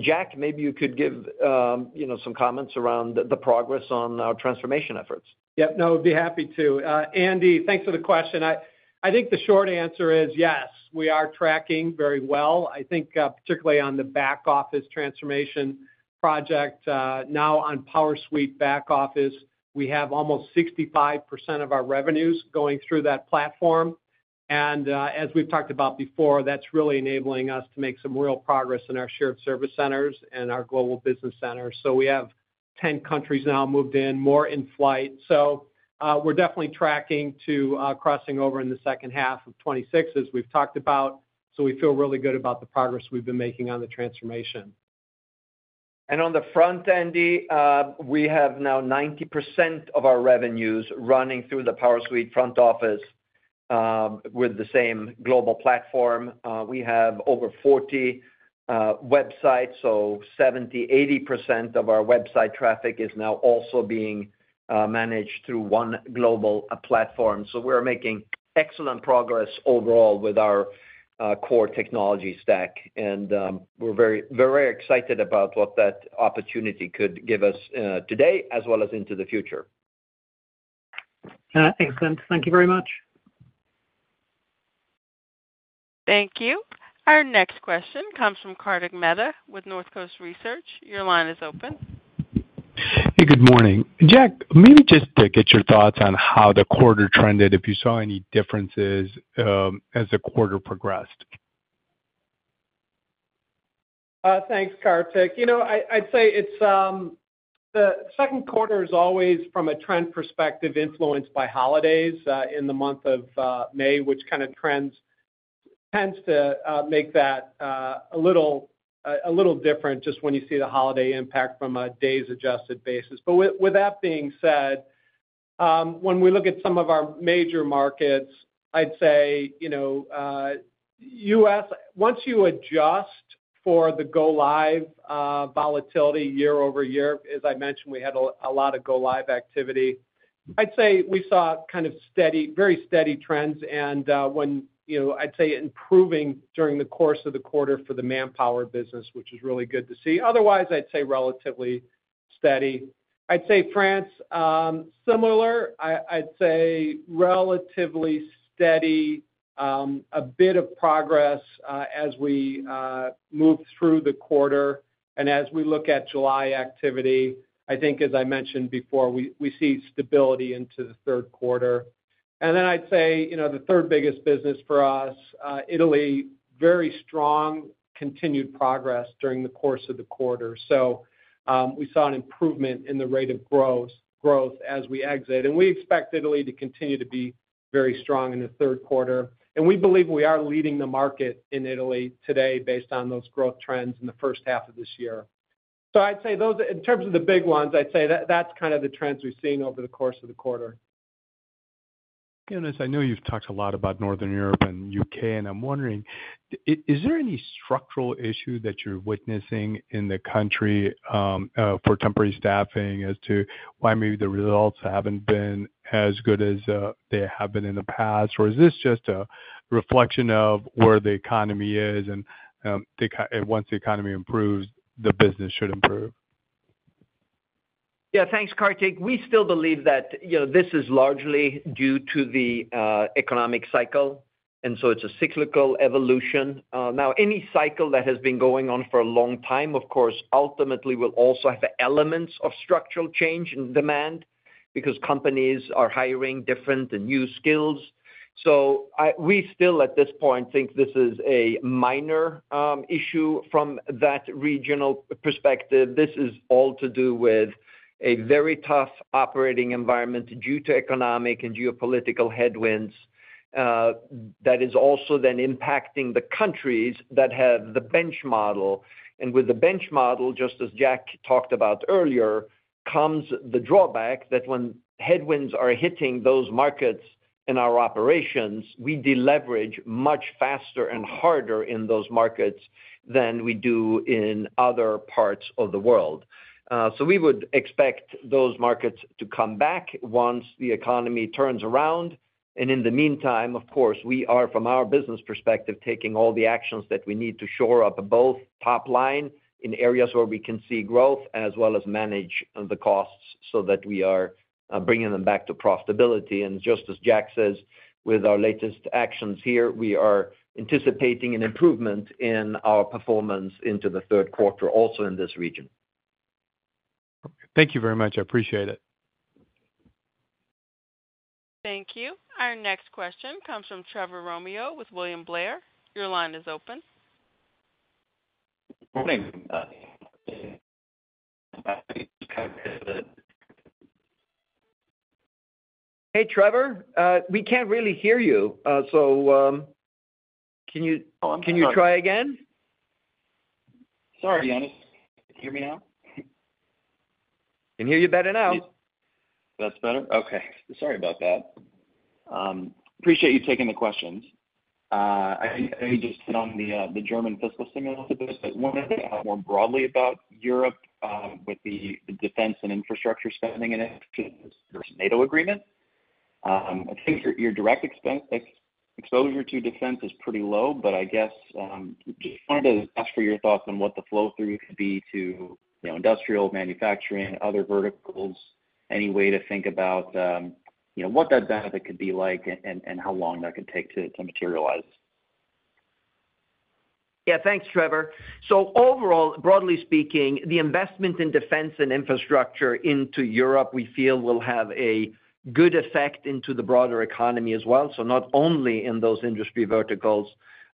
Jack, maybe you could give some comments around the progress on our transformation efforts. Yep. No, I'd be happy to, Andy, thanks for the question. I think the short answer is yes, we are tracking very well, I think particularly on the back office transformation project. Now on PowerSuite back office, we have almost 65% of our revenues going through that platform. As we've talked about before, that's really enabling us to make some real progress in our shared service centers and our global business centers. We have 10 countries now moved in, more in flight. We're definitely tracking to crossing over in second half of 2026 as we've talked about. We feel really good about the progress we've been making on the transformation. On the front, Andy, we have now 90% of our revenues running through the PowerSuite front office with the same global platform. We have over 40 websites. 70% to 80% of our website traffic is now also being managed through one global platform. We are making excellent progress overall with our core technology stack, and we're very excited about what that opportunity could give us today as well as into the future. Excellent. Thank you very much. Thank you. Our next question comes from Kartik Mehta with Northcoast Research. Your line is open. Hey, good morning Jack. Maybe just to get your thoughts on how the quarter trended, if you saw any differences as the quarter progressed. Thanks Kartik. I'd say the second quarter is always from a trend perspective influenced by holidays in the month of May, which tends to make that a little different just when you see the holiday impact from a days adjusted basis. With that being said, when we look at some of our major markets, I'd say once you adjust for the go-live volatility year over-year, as I mentioned we had a lot of go-live activity. I'd say we saw very steady trends and I'd say improving during the course of the quarter for the Manpower business, which is really good to see. Otherwise I'd say relatively steady. I'd say France similar. I'd say relatively steady. A bit of progress as we move through the quarter and as we look at July activity, I think as I mentioned before, we see stability into the third quarter. I'd say the third biggest business for us, Italy, very strong, continued progress during the course of the quarter. We saw an improvement in the rate of growth as we exit. We expect Italy to continue to be very strong in the third quarter. We believe we are leading the market in Italy today based on those growth trends in the first half of this year. In terms of the big ones, I'd say that's kind of the trends we've seen over the course of the quarter. Jonas, I know you've talked a lot about Northern Europe and U.K. and I'm wondering, is there any structural issue that you're witnessing in the country for temporary staffing as to why maybe the results haven't been as good as they have been in the past, or is this just a reflection of where the economy is and once the economy improves, the business should improve? Yeah, thanks, Kartik. We still believe that this is largely due to the economic cycle, and so it's a cyclical evolution. Now, any cycle that has been going on for a long time, of course, ultimately will also have elements of structural change in demand because companies are hiring different and new skills. We still at this point think this is a minor issue from that regional perspective. This is all to do with a very tough operating environment due to economic and geopolitical headwinds that is also then impacting the countries that have the bench model. With the bench model, just as Jack talked about earlier, comes the drawback that when headwinds are hitting those markets in our operations, we deleverage much faster and harder in those markets than we do in other parts of the world. We would expect those markets to come back once the economy turns around. In the meantime, of course, we are from our business perspective taking all the actions that we need to shore up both top line in areas where we can see growth as well as manage the costs so that we are bringing them back to profitability. Just as Jack says, with our latest actions here, we are anticipating an improvement in our performance into the third quarter also in this region. Thank you very much. I appreciate it. Thank you. Our next question comes from Trevor Romeo with William Blair. Your line is open. Hey Trevor, we can't really hear you. Can you try again? Sorry, can you hear me now? Can hear you better now. That's better. Okay. Sorry about that. Appreciate you taking the questions. I just hit on the German fiscal stimulus a bit. One thing more broadly about Europe with the defense and infrastructure spending in it, NATO agreement, I think your direct. Exposure to defense is pretty low. I guess just wanted to ask. For your thoughts on what the flow. That could be to industrial manufacturing, other verticals. Any way to think about what that benefit could be like and how long that could take to materialize? Yeah, thanks, Trevor. Overall, broadly speaking, the investment in defense and infrastructure into Europe we feel will have a good effect on the broader economy as well. Not only in those industry verticals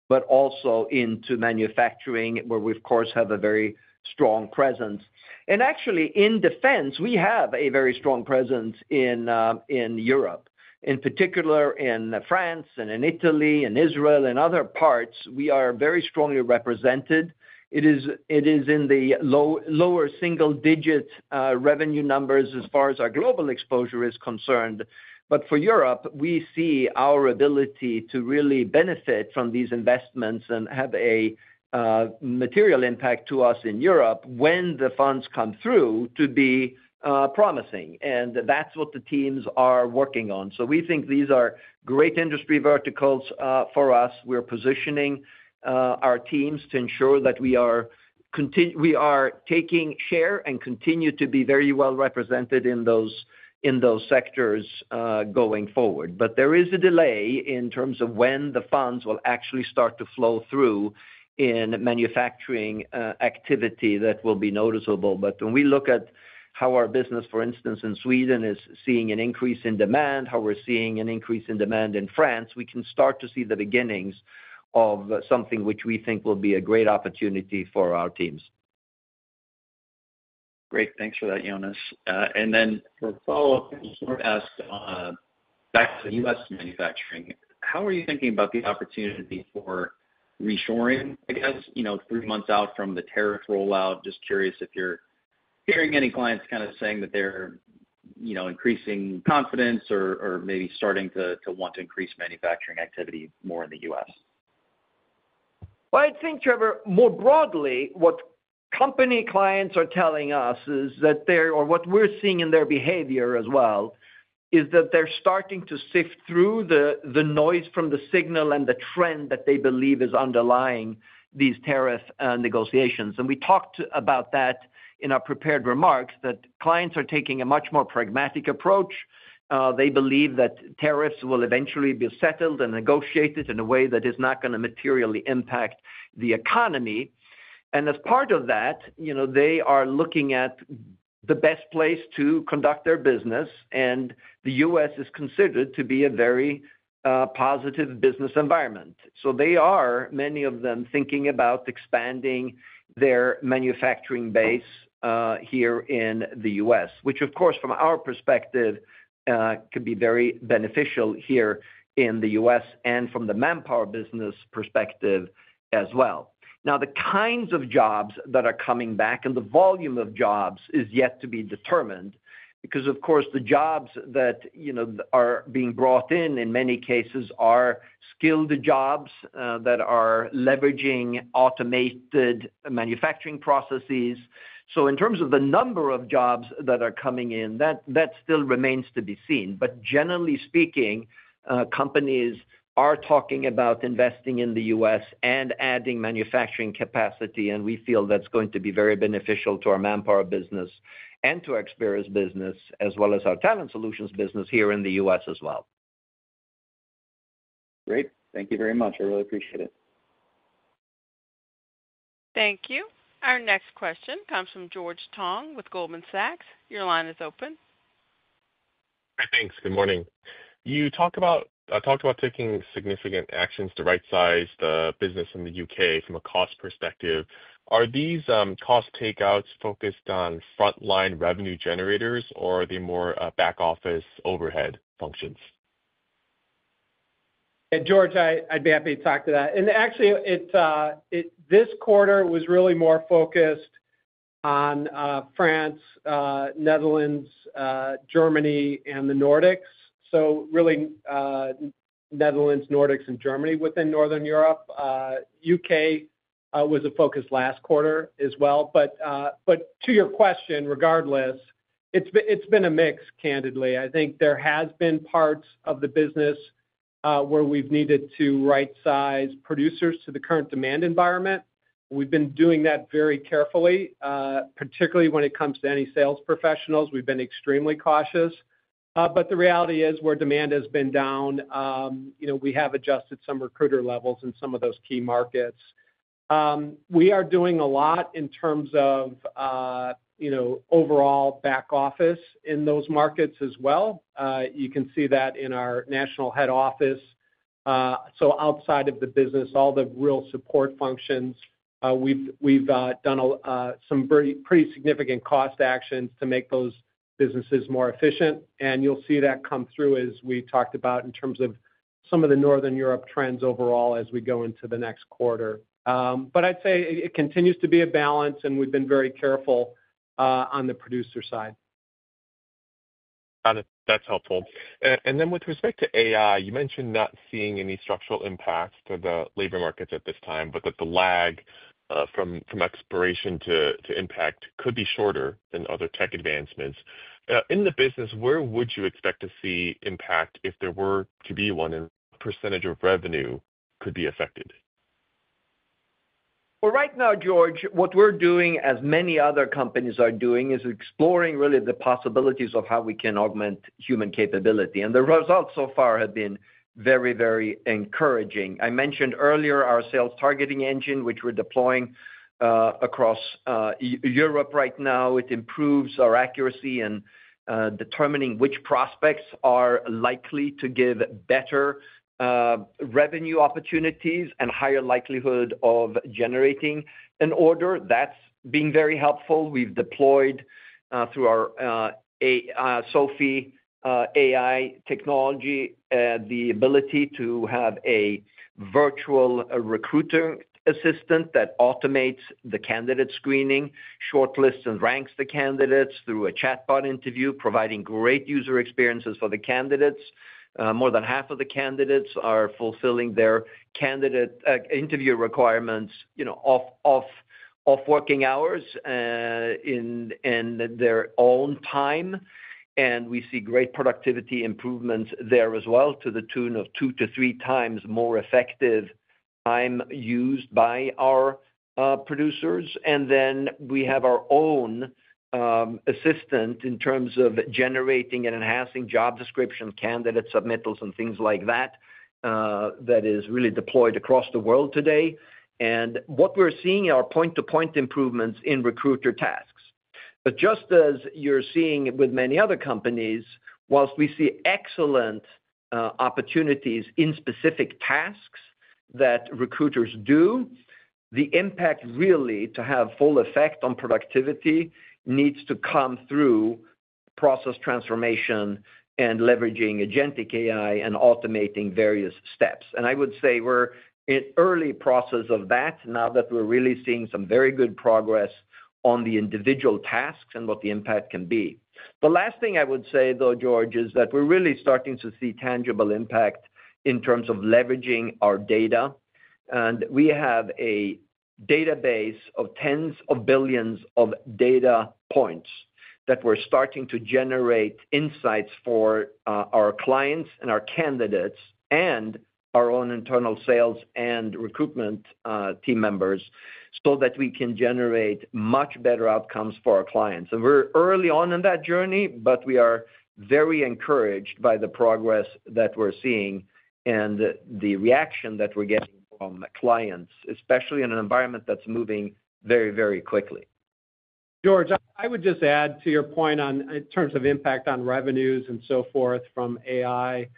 but also in manufacturing where we of course have a very strong presence. Actually, in defense we have a very strong presence in Europe, in particular in France, Italy, Israel, and other parts where we are very strongly represented. It is in the lower single-digit revenue numbers as far as our global exposure is concerned. For Europe, we see our ability to really benefit from these investments and have a material impact to us in Europe when the funds come through to be promising, and that's what the teams are working on. We think these are great industry verticals for us. We're positioning our teams to ensure that we are taking share and continue to be very well represented in those sectors going forward. There is a delay in terms of when the funds will actually start to flow through in manufacturing activity that will be noticeable. When we look at how our business, for instance in Sweden, is seeing an increase in demand, how we're seeing an increase in demand in France, we can start to see the beginnings of something which we think will be a great opportunity for our teams. Great, thanks for that, Jonas. For follow up back to U.S. manufacturing, how are you thinking about the opportunity for reshoring? I guess three months out from the tariff rollout? Just curious if you're hearing any clients kind of saying that they're increasing confidence or maybe starting to want to increase manufacturing activity more in the U.S. I think, Trevor, more broadly, what company clients are telling us is that, or what we're seeing in their behavior as well, is that they're starting to sift through the noise from the signal and the trend that they believe is underlying these tariff negotiations. We talked about that in our prepared remarks, that clients are taking a much more pragmatic approach. They believe that tariffs will eventually be settled and negotiated in a way that is not going to materially impact the economy. As part of that, they are looking at the best place to conduct their business, and the U.S. is considered to be a very positive business environment. Many of them are thinking about expanding their manufacturing base here in the U.S., which of course from our perspective could be very beneficial here in the U.S. and from the Manpower business perspective as well. The kinds of jobs that are coming back and the volume of jobs is yet to be determined because the jobs that are being brought in, in many cases, are skilled jobs that are leveraging automated manufacturing processes. In terms of the number of jobs that are coming in, that still remains to be seen. Generally speaking, companies are talking about investing in the U.S. and adding manufacturing capacity. We feel that's going to be very beneficial to our Manpower business and to our Experis business as well as our Talent Solutions business here in the U.S. as well. Great. Thank you very much. I really appreciate it. Thank you. Our next question comes from George Tong with Goldman Sachs. Your line is open. Thanks. Good morning. You talked about taking significant actions to rightsize the business in the U.K. from a cost perspective. Are these cost takeouts focused on frontline revenue generators or are they more back office overhead functions? George, I'd be happy to talk to that. Actually, this quarter was really more focused on France, Netherlands, Germany, and the Nordics. Really, Netherlands, Nordics, and Germany within Northern Europe. U.K. was a focus last quarter as well. To your question, regardless, it's been a mix. Candidly, I think there have been parts of the business where we've needed to rightsize producers to the current demand environment. We've been doing that very carefully, particularly when it comes to any sales professionals. We've been extremely cautious. The reality is where demand has been down, we have adjusted some recruiter levels in some of those key markets. We are doing a lot in terms of overall back office in those markets as well. You can see that in our national head office. Outside of the business, all the real support functions, we've done some pretty significant cost actions to make those businesses more efficient and you'll see that come through as we talked about in terms of some of the Northern Europe trends overall as we go into the next quarter. I'd say it continues to be a balance and we've been very careful on the producer side. That's helpful. With respect to AI, you. Mentioned not seeing any structural impacts to the labor markets at this time, but that the lag from exploration to impact could be shorter than other tech advancements in the business. Where would you expect to see impact if there were to be one in percentage of revenue could be affected? Right now, George, what we're doing, as many other companies are doing, is exploring really the possibilities of how we can augment human capability. The results so far have been very, very encouraging. I mentioned earlier, our sales targeting engine, which we're deploying across Europe right now, improves our accuracy in determining which prospects are likely to give better revenue opportunities and higher likelihood of generating an order. That's been very helpful. We've deployed through our Sophie AI technology the ability to have a virtual recruiter assistant that automates the candidate screening, shortlists, and ranks the candidates through a chatbot interview, providing great user experiences for the candidates. More than half of the candidates are fulfilling their candidate interview requirements off working hours in their own time. We see great productivity improvements there as well, to the tune of two to three times more effective time used by our producers. We have our own assistant in terms of generating and enhancing job descriptions, candidate submittals, and things like that, that is really deployed across the world today. What we're seeing are point-to-point improvements in recruiter tasks. Just as you're seeing with many other companies, whilst we see excellent opportunities in specific tasks that recruiters do, the impact really to have full effect on productivity needs to come through process transformation and leveraging agentic AI and automating various steps. I would say we're in early process of that now, and we're really seeing some very good progress on the individual tasks and what the impact can be. The last thing I would say, though, George, is that we're really starting to see tangible impact in terms of leveraging our data. We have a database of tens of billions of data points that we're starting to generate insights for our clients and our candidates and our own internal sales and recruitment team members so that we can generate much better outcomes for our clients. We're early on in that journey, but we are very encouraged by the progress that we're seeing and the reaction that we're getting from clients, especially in an environment that's moving very, very quickly. George, I would just add to your point in terms of impact on revenues and so forth from AI,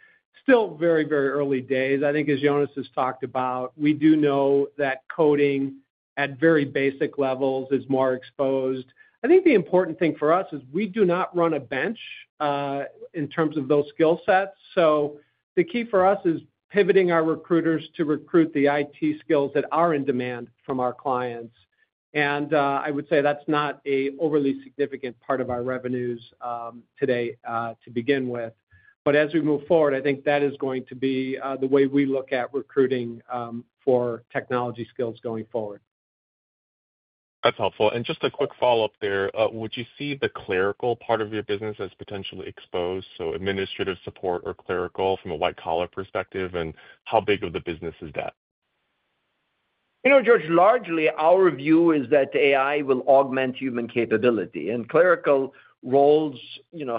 still very, very early days, I think, as Jonas has talked about, we do know that coding at very basic levels is more exposed. I think the important thing for us is we do not run a bench in terms of those skill sets. The key for us is pivoting our recruiters to recruit the IT skills that are in demand from our clients. I would say that's not a overly significant part of our revenues today to begin with. As we move forward, I think that is going to be the way we look at recruiting for technology skills going forward. That's helpful, and just a quick follow up there, would you see the clerical part of your business as potentially exposed? Administrative support or clerical from a white collar perspective? How big of the business is that? Largely our view is that AI will augment human capability. Clerical roles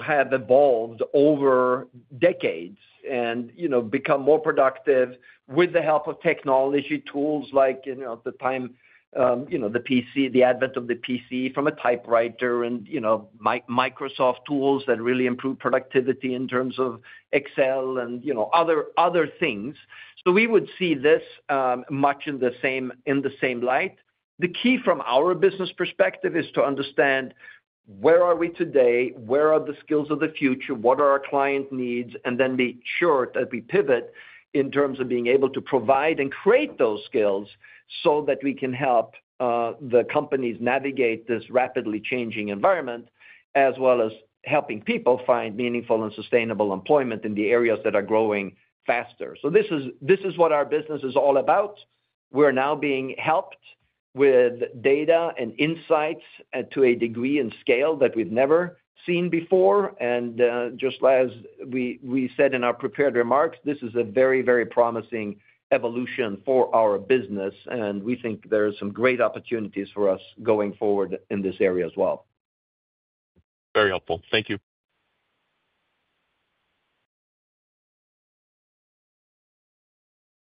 have evolved over decades and become more productive with the help of technology tools like, at the time, the advent of the PC from a typewriter and Microsoft tools that really improve productivity in terms of Excel and other things. We would see this much in the same light. The key from our business perspective is to understand where are we today, where are the skills of the future, what are our client needs, and then be sure that we pivot in terms of being able to provide and create those skills so that we can help the companies navigate this rapidly changing environment as well as helping people find meaningful and sustainable employment in the areas that are growing faster. This is what our business is all about. We're now being helped with data and insights to a degree and scale that we've never seen before. Just as we said in our prepared remarks, this is a very, very promising evolution for our business and we think there are some great opportunities for us going forward in this area as well. Very helpful. Thank you.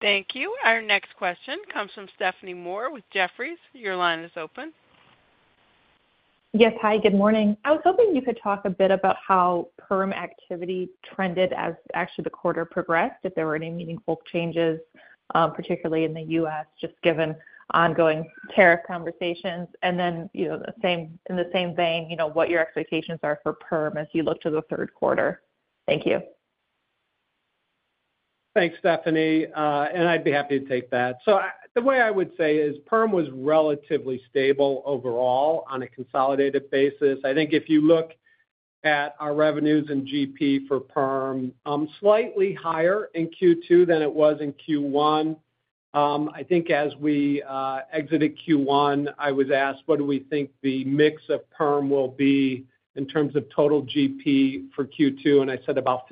Thank you. Our next question comes from Stephanie Moore with Jefferies. Your line is open. Yes, hi, good morning. I was hoping you could talk a bit about how perm activity trended as actually the quarter progressed, if there were any meaningful changes, particularly in the U.S., just given ongoing tariff conversations, and then in the same vein, what your expectations are for perm as you look to the third quarter. Thank you. Thanks, Stephanie. I'd be happy to take that. The way I would say is perm was relatively stable overall on a consolidated basis. I think if you look at our revenues and GP for perm, slightly higher in Q2 than it was in Q1. I think as we exited Q1, I was asked, what do we think the mix of perm will be in terms of total GP for Q2? I said about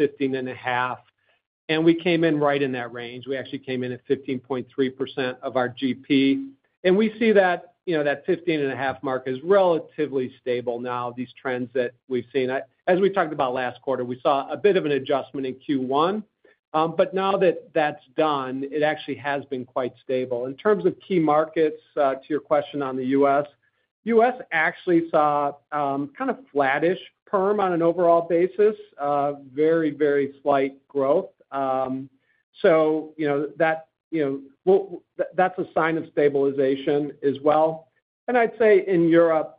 15.5%. We came in right in that range. We actually came in at 15.3% of our GP, and we see that 15.5% mark as relatively stable. These trends that we've seen, as we talked about last quarter, we saw a bit of an adjustment in Q1, but now that that's done, it actually has been quite stable in terms of key markets. To your question on the U.S., U.S. actually saw kind of flattish perm on an overall basis. Very, very slight growth. So. That's a sign of stabilization as well. I'd say in Europe,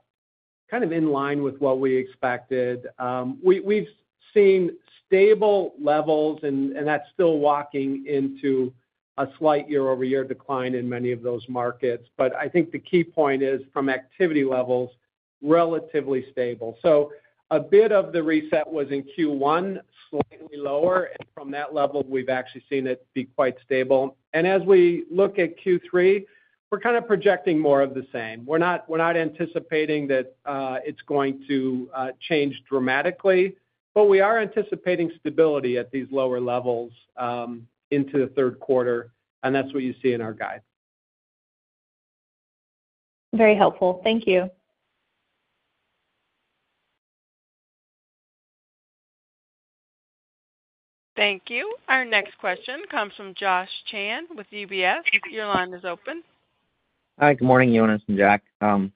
kind of in line with what we expected, we've seen stable levels, and that's still walking into a slight year-over-year decline in many of those markets. I think the key point is from activity levels, relatively stable. A bit of the reset was in Q1, slightly lower from that level. We've actually seen it be quite stable. As we look at Q3, we're kind of projecting more of the same. We're not anticipating that it's going to change dramatically, but we are anticipating stability at these lower levels into the third quarter. That's what you see in our guidance. Very helpful. Thank you. Thank you. Our next question comes from Josh Chan with UBS. Your line is open. Hi, good morning, Jonas and Jack. I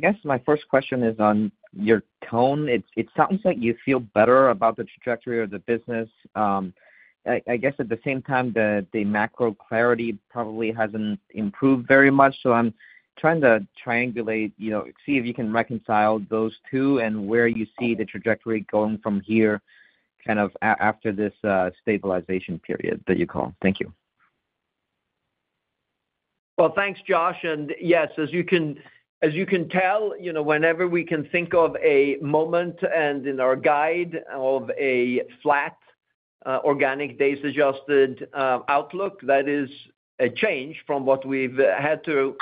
guess my first question is on your tone. It sounds like you feel better about the trajectory of the business. I guess at the same time the macro clarity probably hasn't improved very much. I'm trying to triangulate, see if you can reconcile those two and where you see the trajectory going from here kind of after this stabilization period that you call. Thank you. Thanks, Josh. Yes, as you can tell, whenever we can think of a moment and in our guide of a flat organic days adjusted outlook, that is a change from what we've had to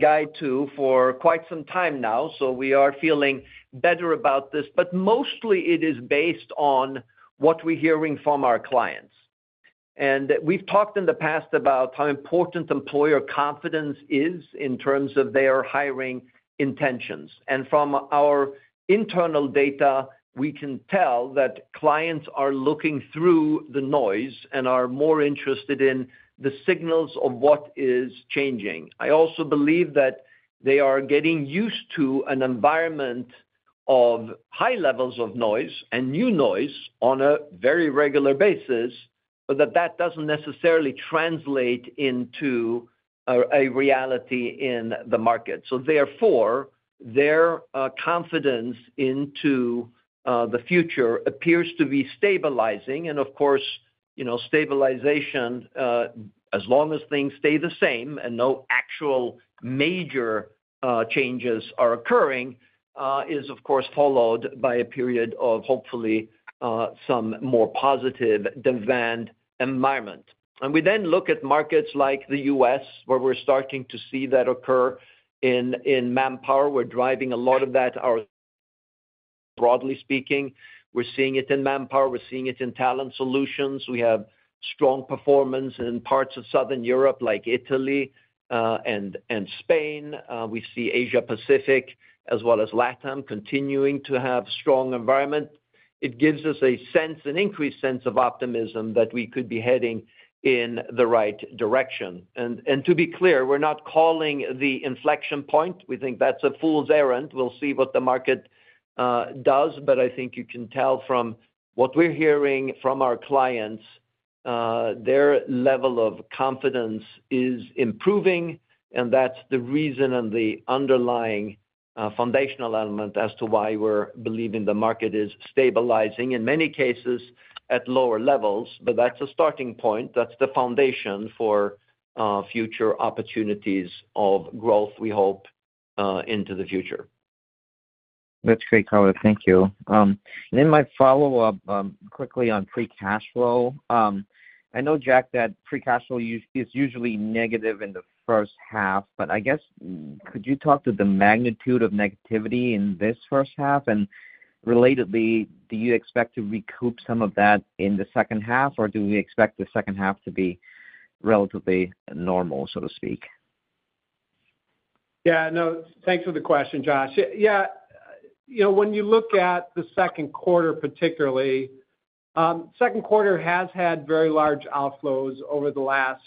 guide to for quite some time now. We are feeling better about this, but mostly it is based on what we're hearing from our clients. We've talked in the past about how important employer confidence is in terms of their hiring intentions. From our internal data we can tell that clients are looking through the noise and are more interested in the signals of what is changing. I also believe that they are getting used to an environment of high levels of noise and new noise on a very regular basis. That doesn't necessarily translate into a reality in the market. Therefore, their confidence into the future appears to be stabilizing. Of course, stabilization, as long as things stay the same and no actual major changes are occurring, is followed by a period of hopefully some more positive demand environment. We then look at markets like the U.S. where we're starting to see that occurring in Manpower, we're driving a lot of that. Broadly speaking, we're seeing it in Manpower, we're seeing it in Talent Solutions. We have strong performance in parts of Southern Europe like Italy and Spain. We see Asia Pacific as well as LATAM continuing to have strong environment. It gives us a sense, an increased sense of optimism that we could be heading in the right direction. To be clear, we're not calling the inflection point. We think that's a fool's error. We'll see what the market does. I think you can tell from what we're hearing from our clients, their level of confidence is improving. That's the reason and the underlying foundational element as to why we're believing the market is stabilizing in many cases at lower levels. That's a starting point. That's the foundation for future opportunities of growth, we hope into the future. That's great color. Thank you. Then my follow up quickly on free cash flow. I know, Jack, that free cash flow is usually negative in the first half, but I guess could you talk to the magnitude of negativity in this first half? Relatedly, do you expect to recoup some of that in the second half, or do we expect the second half to be relatively normal, so to speak? Yeah, no, thanks for the question, Josh. When you look at the second quarter, particularly, the second quarter has had very large outflows over the last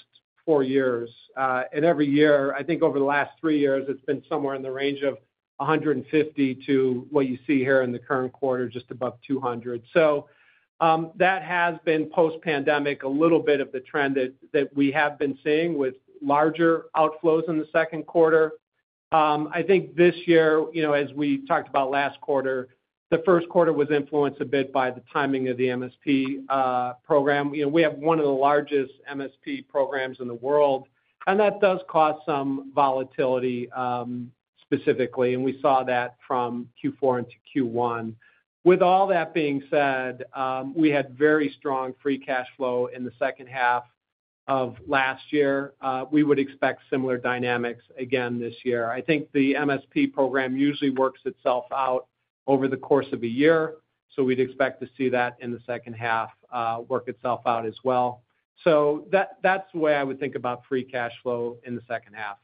four years. Every year, over the last three years, it's been somewhere in the range of $150 million to what you see here in the current quarter, just above $200 million. That has been, post-pandemic, a little bit of the trend that we have been seeing with larger outflows in the second quarter. I think this year, as we talked about last quarter, the first quarter was influenced a bit by the timing of the MSP program. We have one of the largest MSP programs in the world, and that does cause some volatility, specifically. We saw that from Q4 into Q1. With all that being said, we had very strong free cash flow in the second half of last year. We would expect similar dynamics again this year. I think the MSP program usually works itself out over the course of a year. We'd expect to see that in the second half work itself out as well. That's the way I would think about free cash flow in the second half.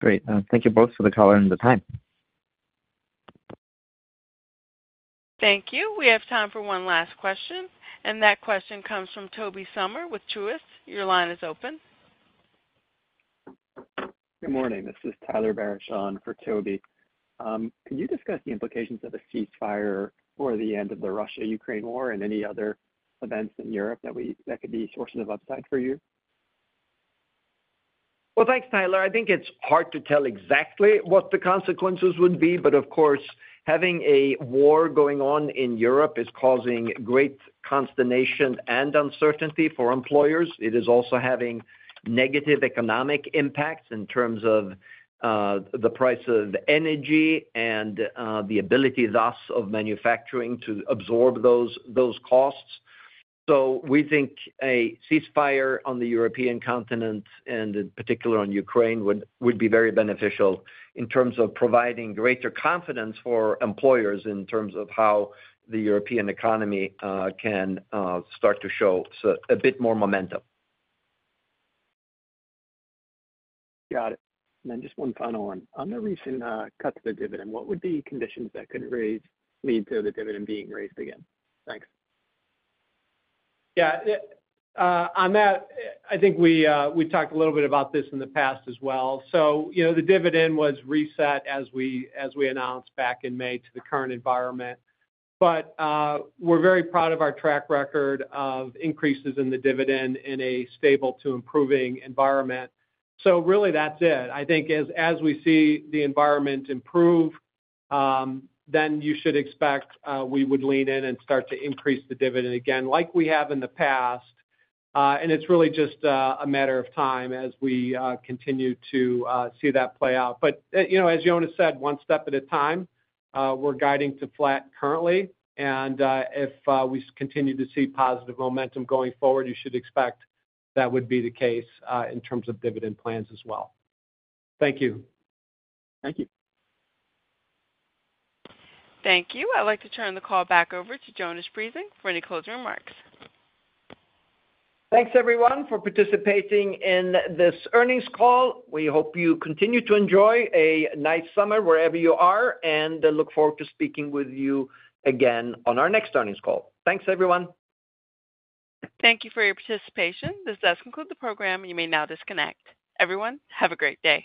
Great. Thank you both for the color and the time. Thank you. We have time for one last question. That question comes from Tobey Sommer with Truist. Your line is open. Good morning. This is Tyler Barishaw for Tobey. Can you discuss the implications of a ceasefire or the end of the Russia, Ukraine war and any other events in Europe that could be sources of upside for you? Thank you, Tyler. I think it's hard to tell exactly what the consequences would be, but of course, having a war going on in Europe is causing great consternation and uncertainty for employers. It is also having negative economic impacts in terms of the price of energy and the ability of manufacturing to absorb those costs. We think a ceasefire on the European continent, and in particular in Ukraine, would be very beneficial in terms of providing greater confidence for employers in terms of how the European economy can start to show a bit more momentum. Got it. Just one final one. On the recent cut to the dividend, what would be conditions that could lead to the dividend being raised again? Thanks. Yeah, on that. I think we talked a little bit about this in the past as well. The dividend was reset as we announced back in May, to the current environment. We're very proud of our track record of increases in the dividend in a stable to improving environment. That's it. I think as we see the environment improvement, then you should expect we would lean in and start to increase the dividend again like we have in the past. It's really just a matter of time as we continue to see that play out. As Jonas said, one step at a time. We're guiding to flat currently and if we continue to see positive momentum going forward, you should expect that would be the case in terms of dividend plans as well. Thank you. Thank you. Thank you. I'd like to turn the call back over to Jonas Prising for any closing remarks. Thanks everyone for participating in this earnings call. We hope you continue to enjoy a nice summer wherever you are, and look forward to speaking with you again on our next earnings call. Thanks everyone. Thank you for your participation. This does conclude the program. You may now disconnect, everyone. Have a great day.